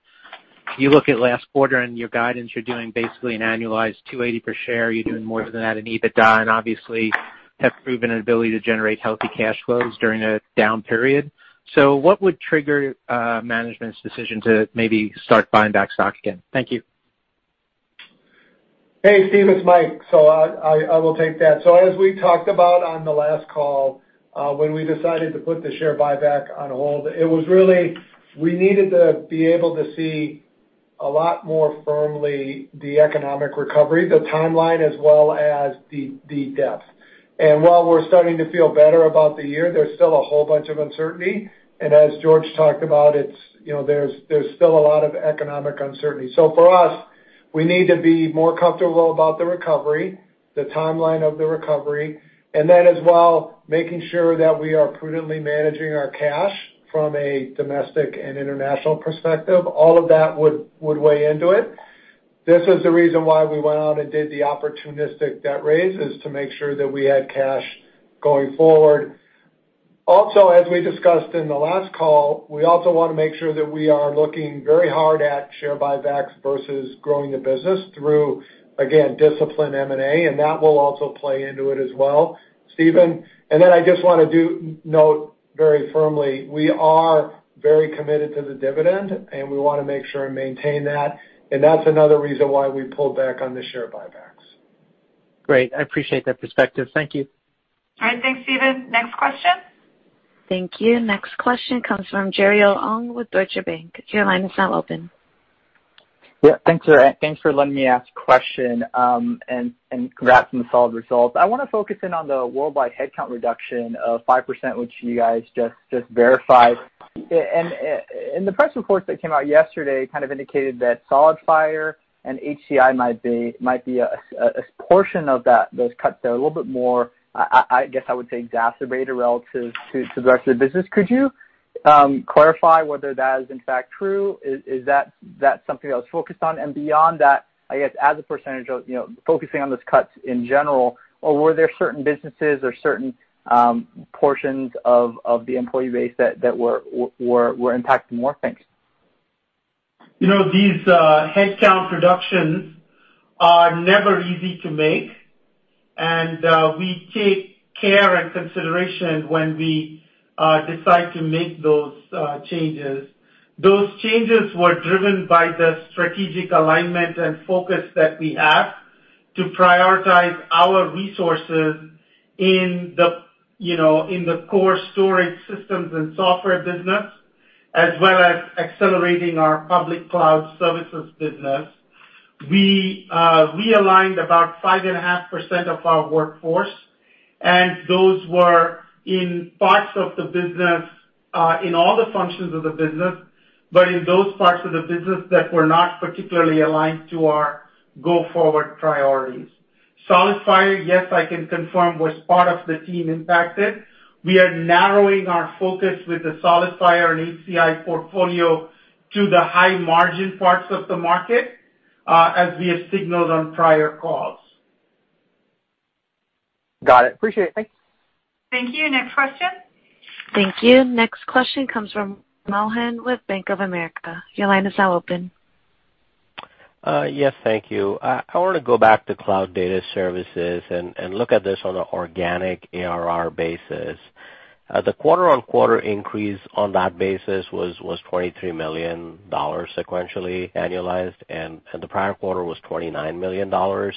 you look at last quarter and your guidance, you're doing basically an annualized $2.80 per share. You're doing more than that in EBITDA and obviously have proven an ability to generate healthy cash flows during a down period. What would trigger management's decision to maybe start buying back stock again? Thank you. Hey, Steve. It's Mike. I will take that. As we talked about on the last call, when we decided to put the share buyback on hold, it was really we needed to be able to see a lot more firmly the economic recovery, the timeline, as well as the depth. While we're starting to feel better about the year, there's still a whole bunch of uncertainty. As George talked about, there's still a lot of economic uncertainty. For us, we need to be more comfortable about the recovery, the timeline of the recovery, and then as well making sure that we are prudently managing our cash from a domestic and international perspective. All of that would weigh into it. This is the reason why we went out and did the opportunistic debt raise is to make sure that we had cash going forward. Also, as we discussed in the last call, we also want to make sure that we are looking very hard at share buybacks versus growing the business through, again, disciplined M&A, and that will also play into it as well, Steven. I just want to note very firmly, we are very committed to the dividend, and we want to make sure and maintain that. That is another reason why we pulled back on the share buybacks. Great. I appreciate that perspective. Thank you. All right. Thanks, Steven. Next question? Thank you. Next question comes from Jeriel Ong with Deutsche Bank. Your line is now open. Yeah. Thanks for letting me ask a question and congrats on the solid results. I want to focus in on the worldwide headcount reduction of 5%, which you guys just verified. The press reports that came out yesterday kind of indicated that SolidFire and HCI might be a portion of those cuts that are a little bit more, I guess I would say, exacerbated relative to the rest of the business. Could you clarify whether that is, in fact, true? Is that something that was focused on? Beyond that, I guess, as a percentage of focusing on those cuts in general, were there certain businesses or certain portions of the employee base that were impacting more? Thanks. These headcount reductions are never easy to make, and we take care and consideration when we decide to make those changes. Those changes were driven by the strategic alignment and focus that we have to prioritize our resources in the core storage systems and software business, as well as accelerating our public cloud services business. We realigned about 5.5% of our workforce, and those were in parts of the business, in all the functions of the business, but in those parts of the business that were not particularly aligned to our go-forward priorities. SolidFire, yes, I can confirm was part of the team impacted. We are narrowing our focus with the SolidFire and HCI portfolio to the high-margin parts of the market, as we have signaled on prior calls. Got it. Appreciate it. Thanks. Thank you. Next question? Thank you. Next question comes from Mohan with Bank of America. Your line is now open. Yes. Thank you. I want to go back to cloud data services and look at this on an organic ARR basis. The quarter-on-quarter increase on that basis was $23 million sequentially annualized, and the prior quarter was $29 million.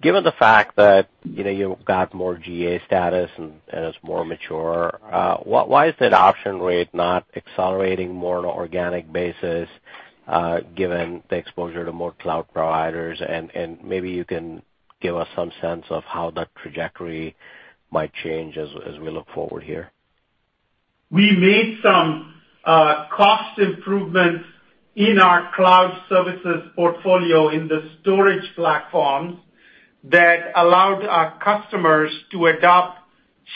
Given the fact that you've got more GA status and it's more mature, why is the adoption rate not accelerating more on an organic basis given the exposure to more cloud providers? Maybe you can give us some sense of how that trajectory might change as we look forward here. We made some cost improvements in our cloud services portfolio in the storage platforms that allowed our customers to adopt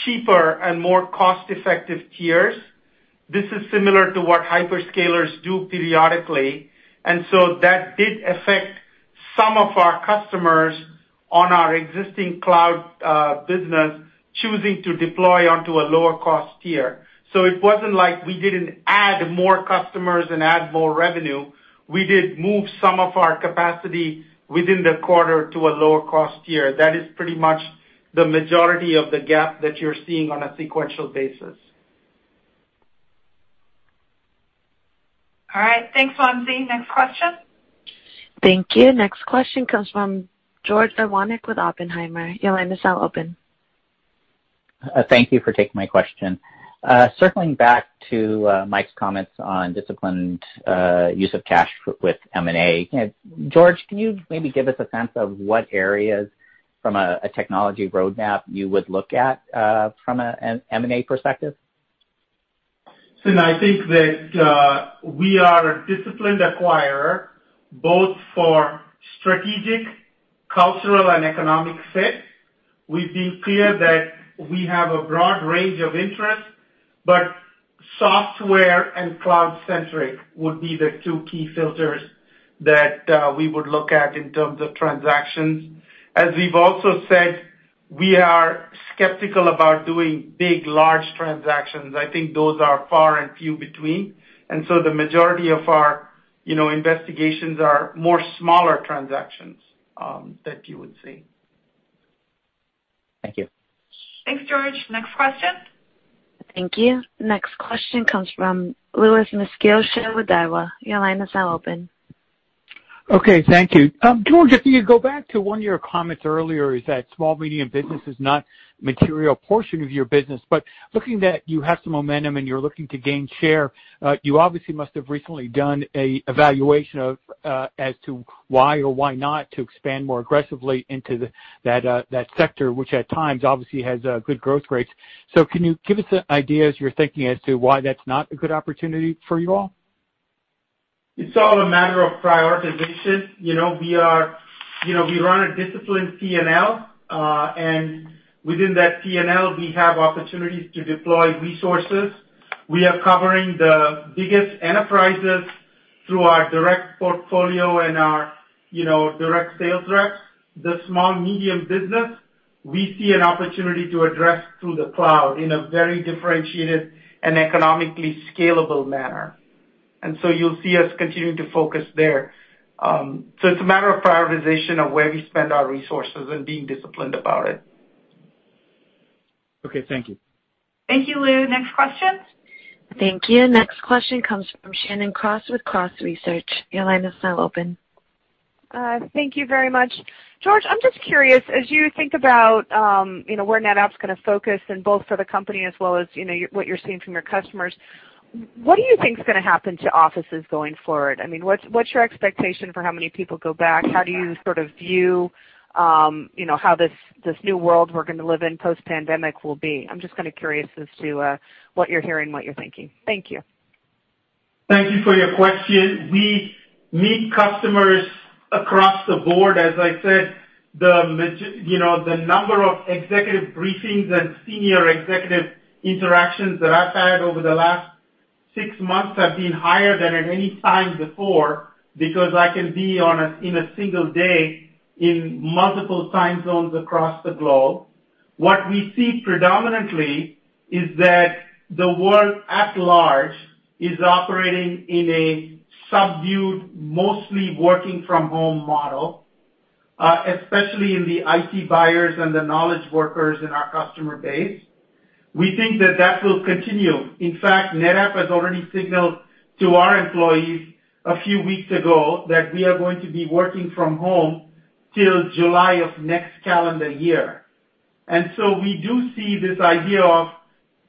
cheaper and more cost-effective tiers. This is similar to what hyperscalers do periodically. That did affect some of our customers on our existing cloud business choosing to deploy onto a lower-cost tier. It was not like we did not add more customers and add more revenue. We did move some of our capacity within the quarter to a lower-cost tier. That is pretty much the majority of the gap that you're seeing on a sequential basis. All right. Thanks, Wamsi. Next question? Thank you. Next question comes from George Iwanyc with Oppenheimer. Your line is now open. Thank you for taking my question. Circling back to Mike's comments on disciplined use of cash with M&A, George, can you maybe give us a sense of what areas from a technology roadmap you would look at from an M&A perspective? I think that we are a disciplined acquirer both for strategic, cultural, and economic fit. We've been clear that we have a broad range of interests, but software and cloud-centric would be the two key filters that we would look at in terms of transactions. As we've also said, we are skeptical about doing big, large transactions. I think those are far and few between. The majority of our investigations are more smaller transactions that you would see. Thank you. Thanks, George. Next question? Thank you. Next question comes from Louis Miscioscia, Daiwa. Your line is now open. Okay. Thank you. George, if you could go back to one of your comments earlier is that small, medium business is not a material portion of your business. Looking that you have some momentum and you're looking to gain share, you obviously must have recently done an evaluation as to why or why not to expand more aggressively into that sector, which at times obviously has good growth rates. Can you give us an idea as you're thinking as to why that's not a good opportunity for you all? It's all a matter of prioritization. We run a disciplined P&L, and within that P&L, we have opportunities to deploy resources. We are covering the biggest enterprises through our direct portfolio and our direct sales reps. The small, medium business, we see an opportunity to address through the cloud in a very differentiated and economically scalable manner. You will see us continuing to focus there. It is a matter of prioritization of where we spend our resources and being disciplined about it. Thank you. Thank you, Lou. Next question? Thank you. Next question comes from Shannon Cross with Cross Research. Your line is now open. Thank you very much. George, I am just curious, as you think about where NetApp's going to focus in both for the company as well as what you are seeing from your customers, what do you think is going to happen to offices going forward? I mean, what is your expectation for how many people go back? How do you sort of view how this new world we are going to live in post-pandemic will be? I'm just kind of curious as to what you're hearing and what you're thinking. Thank you. Thank you for your question. We meet customers across the board. As I said, the number of executive briefings and senior executive interactions that I've had over the last six months have been higher than at any time before because I can be in a single day in multiple time zones across the globe. What we see predominantly is that the world at large is operating in a subdued, mostly working-from-home model, especially in the IT buyers and the knowledge workers in our customer base. We think that that will continue. In fact, NetApp has already signaled to our employees a few weeks ago that we are going to be working from home till July of next calendar year. We do see this idea of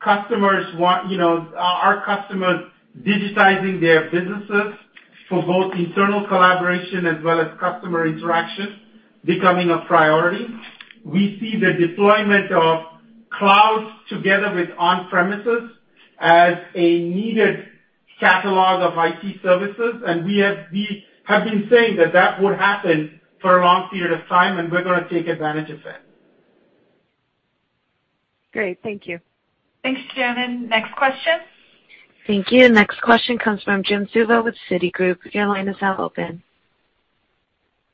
customers, our customers, digitizing their businesses for both internal collaboration as well as customer interaction becoming a priority. We see the deployment of cloud together with on-premises as a needed catalog of IT services. We have been saying that that would happen for a long period of time, and we are going to take advantage of it. Great. Thank you. Thanks, Shannon. Next question? Thank you. Next question comes from Jim Suva with Citigroup. Your line is now open.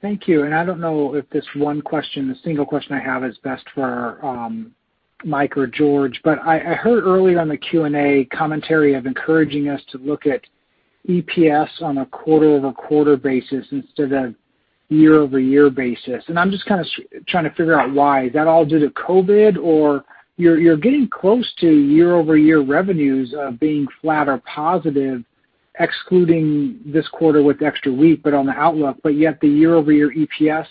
Thank you. I do not know if this one question, the single question I have, is best for Mike or George, but I heard earlier on the Q&A commentary of encouraging us to look at EPS on a quarter-over-quarter basis instead of year-over-year basis. I am just kind of trying to figure out why. Is that all due to COVID, or you're getting close to year-over-year revenues of being flat or positive, excluding this quarter with extra week but on the outlook, yet the year-over-year EPS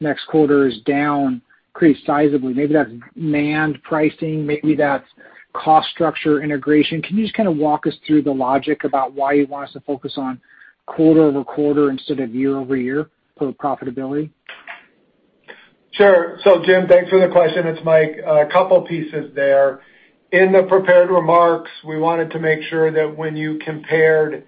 next quarter is down pretty sizably. Maybe that's demand pricing. Maybe that's cost structure integration. Can you just kind of walk us through the logic about why you want us to focus on quarter-over-quarter instead of year-over-year for profitability? Sure. Jim, thanks for the question. It's Mike. A couple of pieces there. In the prepared remarks, we wanted to make sure that when you compared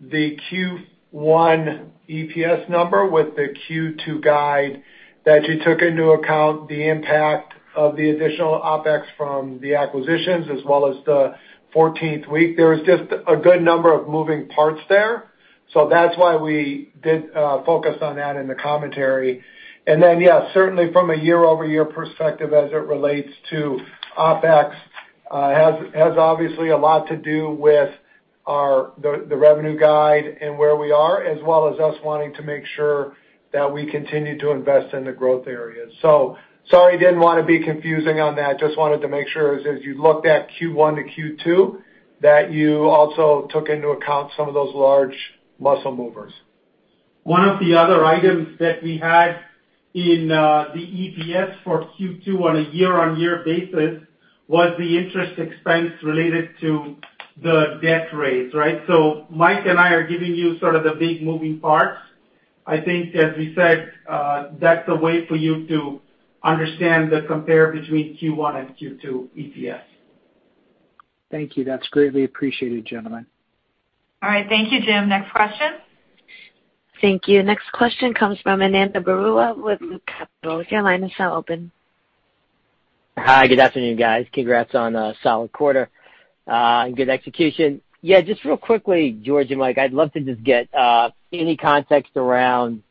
the Q1 EPS number with the Q2 guide that you took into account the impact of the additional OpEx from the acquisitions as well as the 14th week, there was just a good number of moving parts there. That's why we did focus on that in the commentary. Certainly from a year-over-year perspective as it relates to OpEx, it has obviously a lot to do with the revenue guide and where we are, as well as us wanting to make sure that we continue to invest in the growth areas. Sorry I did not want to be confusing on that. I just wanted to make sure as you looked at Q1 to Q2 that you also took into account some of those large muscle movers. One of the other items that we had in the EPS for Q2 on a year-on-year basis was the interest expense related to the debt raise, right? Mike and I are giving you sort of the big moving parts. I think, as we said, that is a way for you to understand the compare between Q1 and Q2 EPS. Thank you. That is greatly appreciated, gentlemen. All right. Thank you, Jim. Next question? Thank you. Next question comes from Ananda Baruah with Loop Capital. Your line is now open. Hi. Good afternoon, guys. Congrats on a solid quarter and good execution. Yeah. Just real quickly, George and Mike, I'd love to just get any context around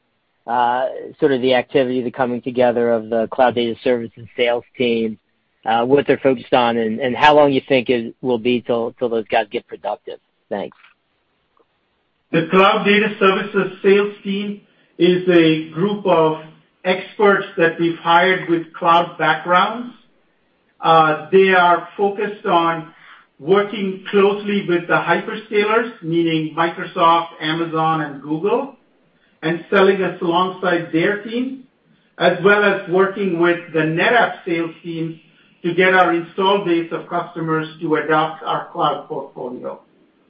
sort of the activity, the coming together of the cloud data services sales team, what they're focused on, and how long you think it will be till those guys get productive. Thanks. The cloud data services sales team is a group of experts that we've hired with cloud backgrounds. They are focused on working closely with the hyperscalers, meaning Microsoft, Amazon, and Google, and selling us alongside their team, as well as working with the NetApp sales team to get our installed base of customers to adopt our cloud portfolio.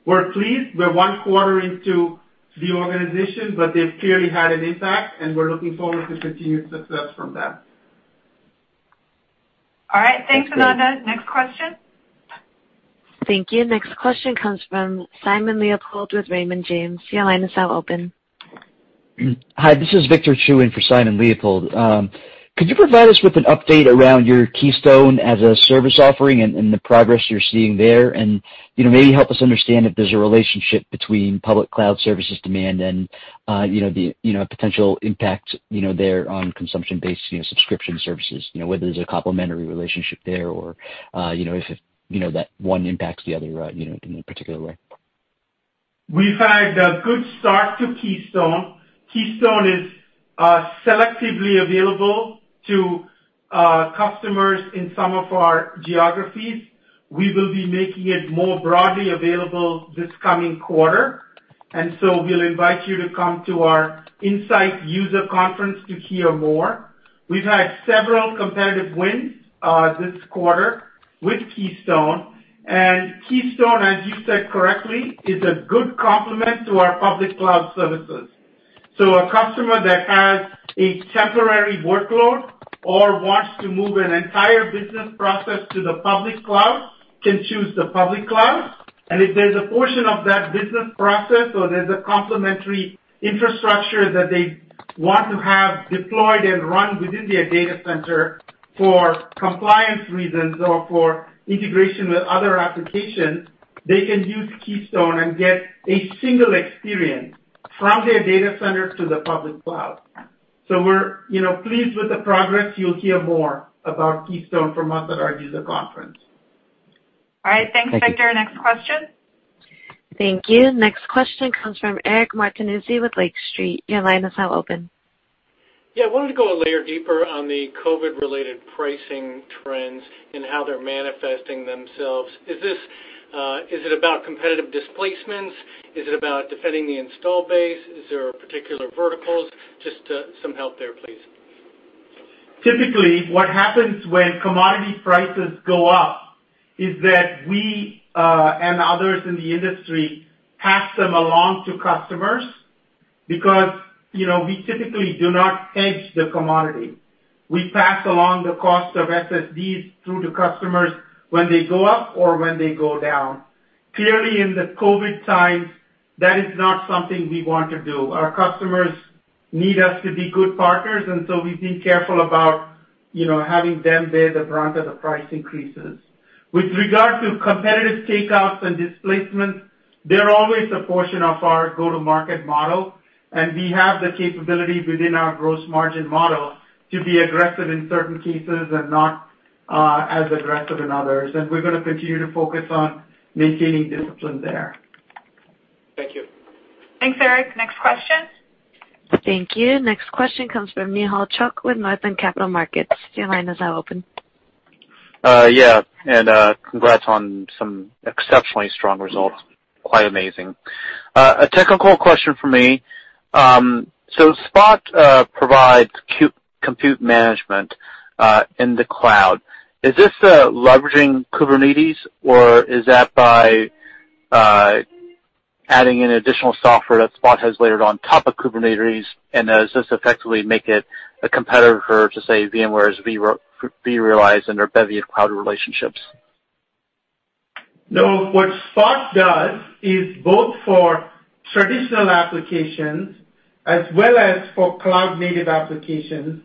We're pleased. We're one quarter into the organization, but they've clearly had an impact, and we're looking forward to continued success from them. All right. Thanks, Ananda. Next question? Thank you. Next question comes from Simon Leopold with Raymond James. Your line is now open. Hi. This is Victor Chiu in for Simon Leopold. Could you provide us with an update around your Keystone as a service offering and the progress you're seeing there, and maybe help us understand if there's a relationship between public cloud services demand and the potential impact there on consumption-based subscription services, whether there's a complementary relationship there or if that one impacts the other in a particular way? We've had a good start to Keystone. Keystone is selectively available to customers in some of our geographies. We will be making it more broadly available this coming quarter. We invite you to come to our Insight User Conference to hear more. We've had several competitive wins this quarter with Keystone. Keystone, as you said correctly, is a good complement to our public cloud services. A customer that has a temporary workload or wants to move an entire business process to the public cloud can choose the public cloud. If there's a portion of that business process or there's a complementary infrastructure that they want to have deployed and run within their data center for compliance reasons or for integration with other applications, they can use Keystone and get a single experience from their data center to the public cloud. We're pleased with the progress. You'll hear more about Keystone from us at our user conference. All right. Thanks, Victor. Next question? Thank you. Next question comes from Eric Martinuzzi with Lake Street. Your line is now open. Yeah. I wanted to go a layer deeper on the COVID-related pricing trends and how they're manifesting themselves. Is it about competitive displacements? Is it about defending the install base? Is there particular verticals? Just some help there, please. Typically, what happens when commodity prices go up is that we and others in the industry pass them along to customers because we typically do not hedge the commodity. We pass along the cost of SSDs through to customers when they go up or when they go down. Clearly, in the COVID times, that is not something we want to do. Our customers need us to be good partners, and so we've been careful about having them bear the brunt of the price increases. With regard to competitive takeouts and displacements, they're always a portion of our go-to-market model. We have the capability within our gross margin model to be aggressive in certain cases and not as aggressive in others. We are going to continue to focus on maintaining discipline there. Thank you. Thanks, Eric. Next question? Thank you. Next question comes from Nehal Chokshi with Northland Capital Markets. Your line is now open. Yeah. And congrats on some exceptionally strong results. Quite amazing. A technical question for me. Spot provides compute management in the cloud. Is this leveraging Kubernetes, or is that by adding in additional software that Spot has layered on top of Kubernetes? And does this effectively make it a competitor for, to say, VMware's vRealize and other cloud relationships? No. What Spot does is both for traditional applications as well as for cloud-native applications.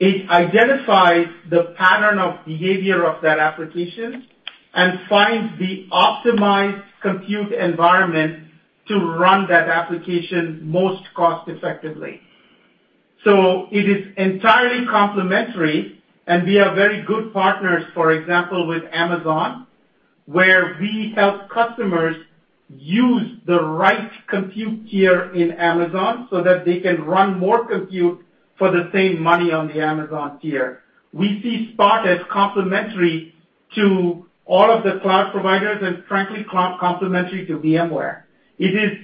It identifies the pattern of behavior of that application and finds the optimized compute environment to run that application most cost-effectively. It is entirely complementary. We are very good partners, for example, with Amazon, where we help customers use the right compute tier in Amazon so that they can run more compute for the same money on the Amazon tier. We see Spot as complementary to all of the cloud providers and, frankly, complementary to VMware. It is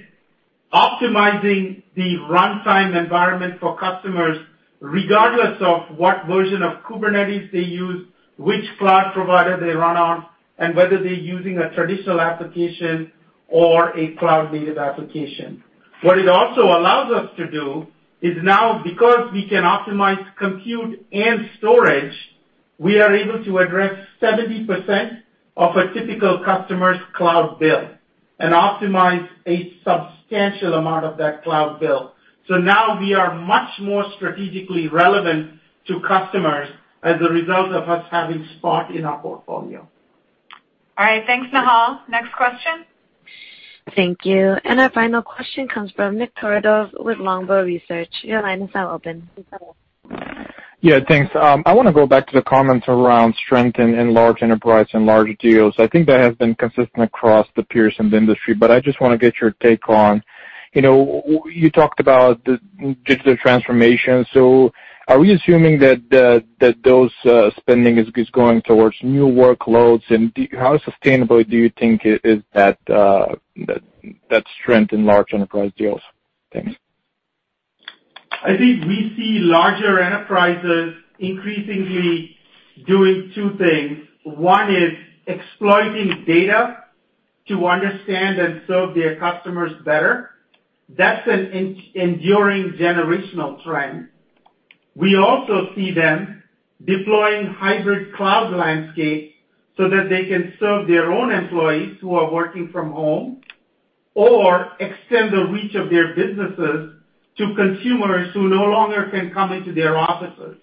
optimizing the runtime environment for customers regardless of what version of Kubernetes they use, which cloud provider they run on, and whether they're using a traditional application or a cloud-native application. What it also allows us to do is now, because we can optimize compute and storage, we are able to address 70% of a typical customer's cloud bill and optimize a substantial amount of that cloud bill. Now we are much more strategically relevant to customers as a result of us having Spot in our portfolio. All right. Thanks, Nehal. Next question? Thank you. Our final question comes from Nick Todorov with Longbow Research. Your line is now open. Yeah. Thanks. I want to go back to the comments around strength in large enterprise and large deals. I think that has been consistent across the peers in the industry, but I just want to get your take on. You talked about the digital transformation. Are we assuming that those spending is going towards new workloads? How sustainable do you think is that strength in large enterprise deals? Thanks. I think we see larger enterprises increasingly doing two things. One is exploiting data to understand and serve their customers better. That's an enduring generational trend. We also see them deploying hybrid cloud landscapes so that they can serve their own employees who are working from home or extend the reach of their businesses to consumers who no longer can come into their offices.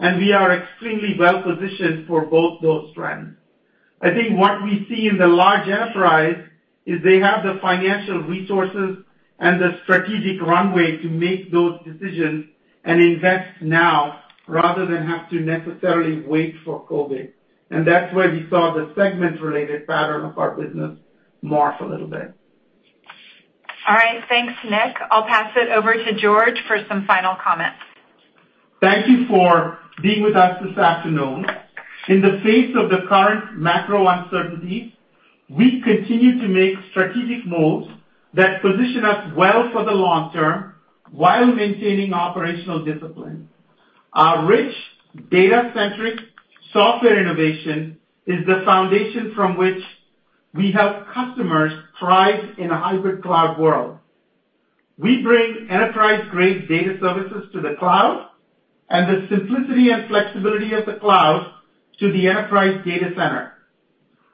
We are extremely well-positioned for both those trends. I think what we see in the large enterprise is they have the financial resources and the strategic runway to make those decisions and invest now rather than have to necessarily wait for COVID. That is where we saw the segment-related pattern of our business morph a little bit. All right. Thanks, Nick. I'll pass it over to George for some final comments. Thank you for being with us this afternoon. In the face of the current macro uncertainties, we continue to make strategic moves that position us well for the long term while maintaining operational discipline. Our rich data-centric software innovation is the foundation from which we help customers thrive in a hybrid cloud world. We bring enterprise-grade data services to the cloud and the simplicity and flexibility of the cloud to the enterprise data center.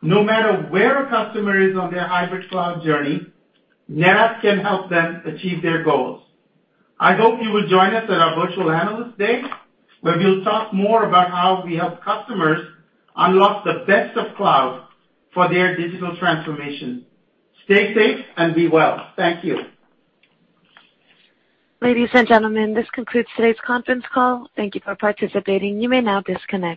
No matter where a customer is on their hybrid cloud journey, NetApp can help them achieve their goals. I hope you will join us at our Virtual Analyst Day, where we'll talk more about how we help customers unlock the best of cloud for their digital transformation. Stay safe and be well. Thank you. Ladies and gentlemen, this concludes today's conference call. Thank you for participating. You may now disconnect.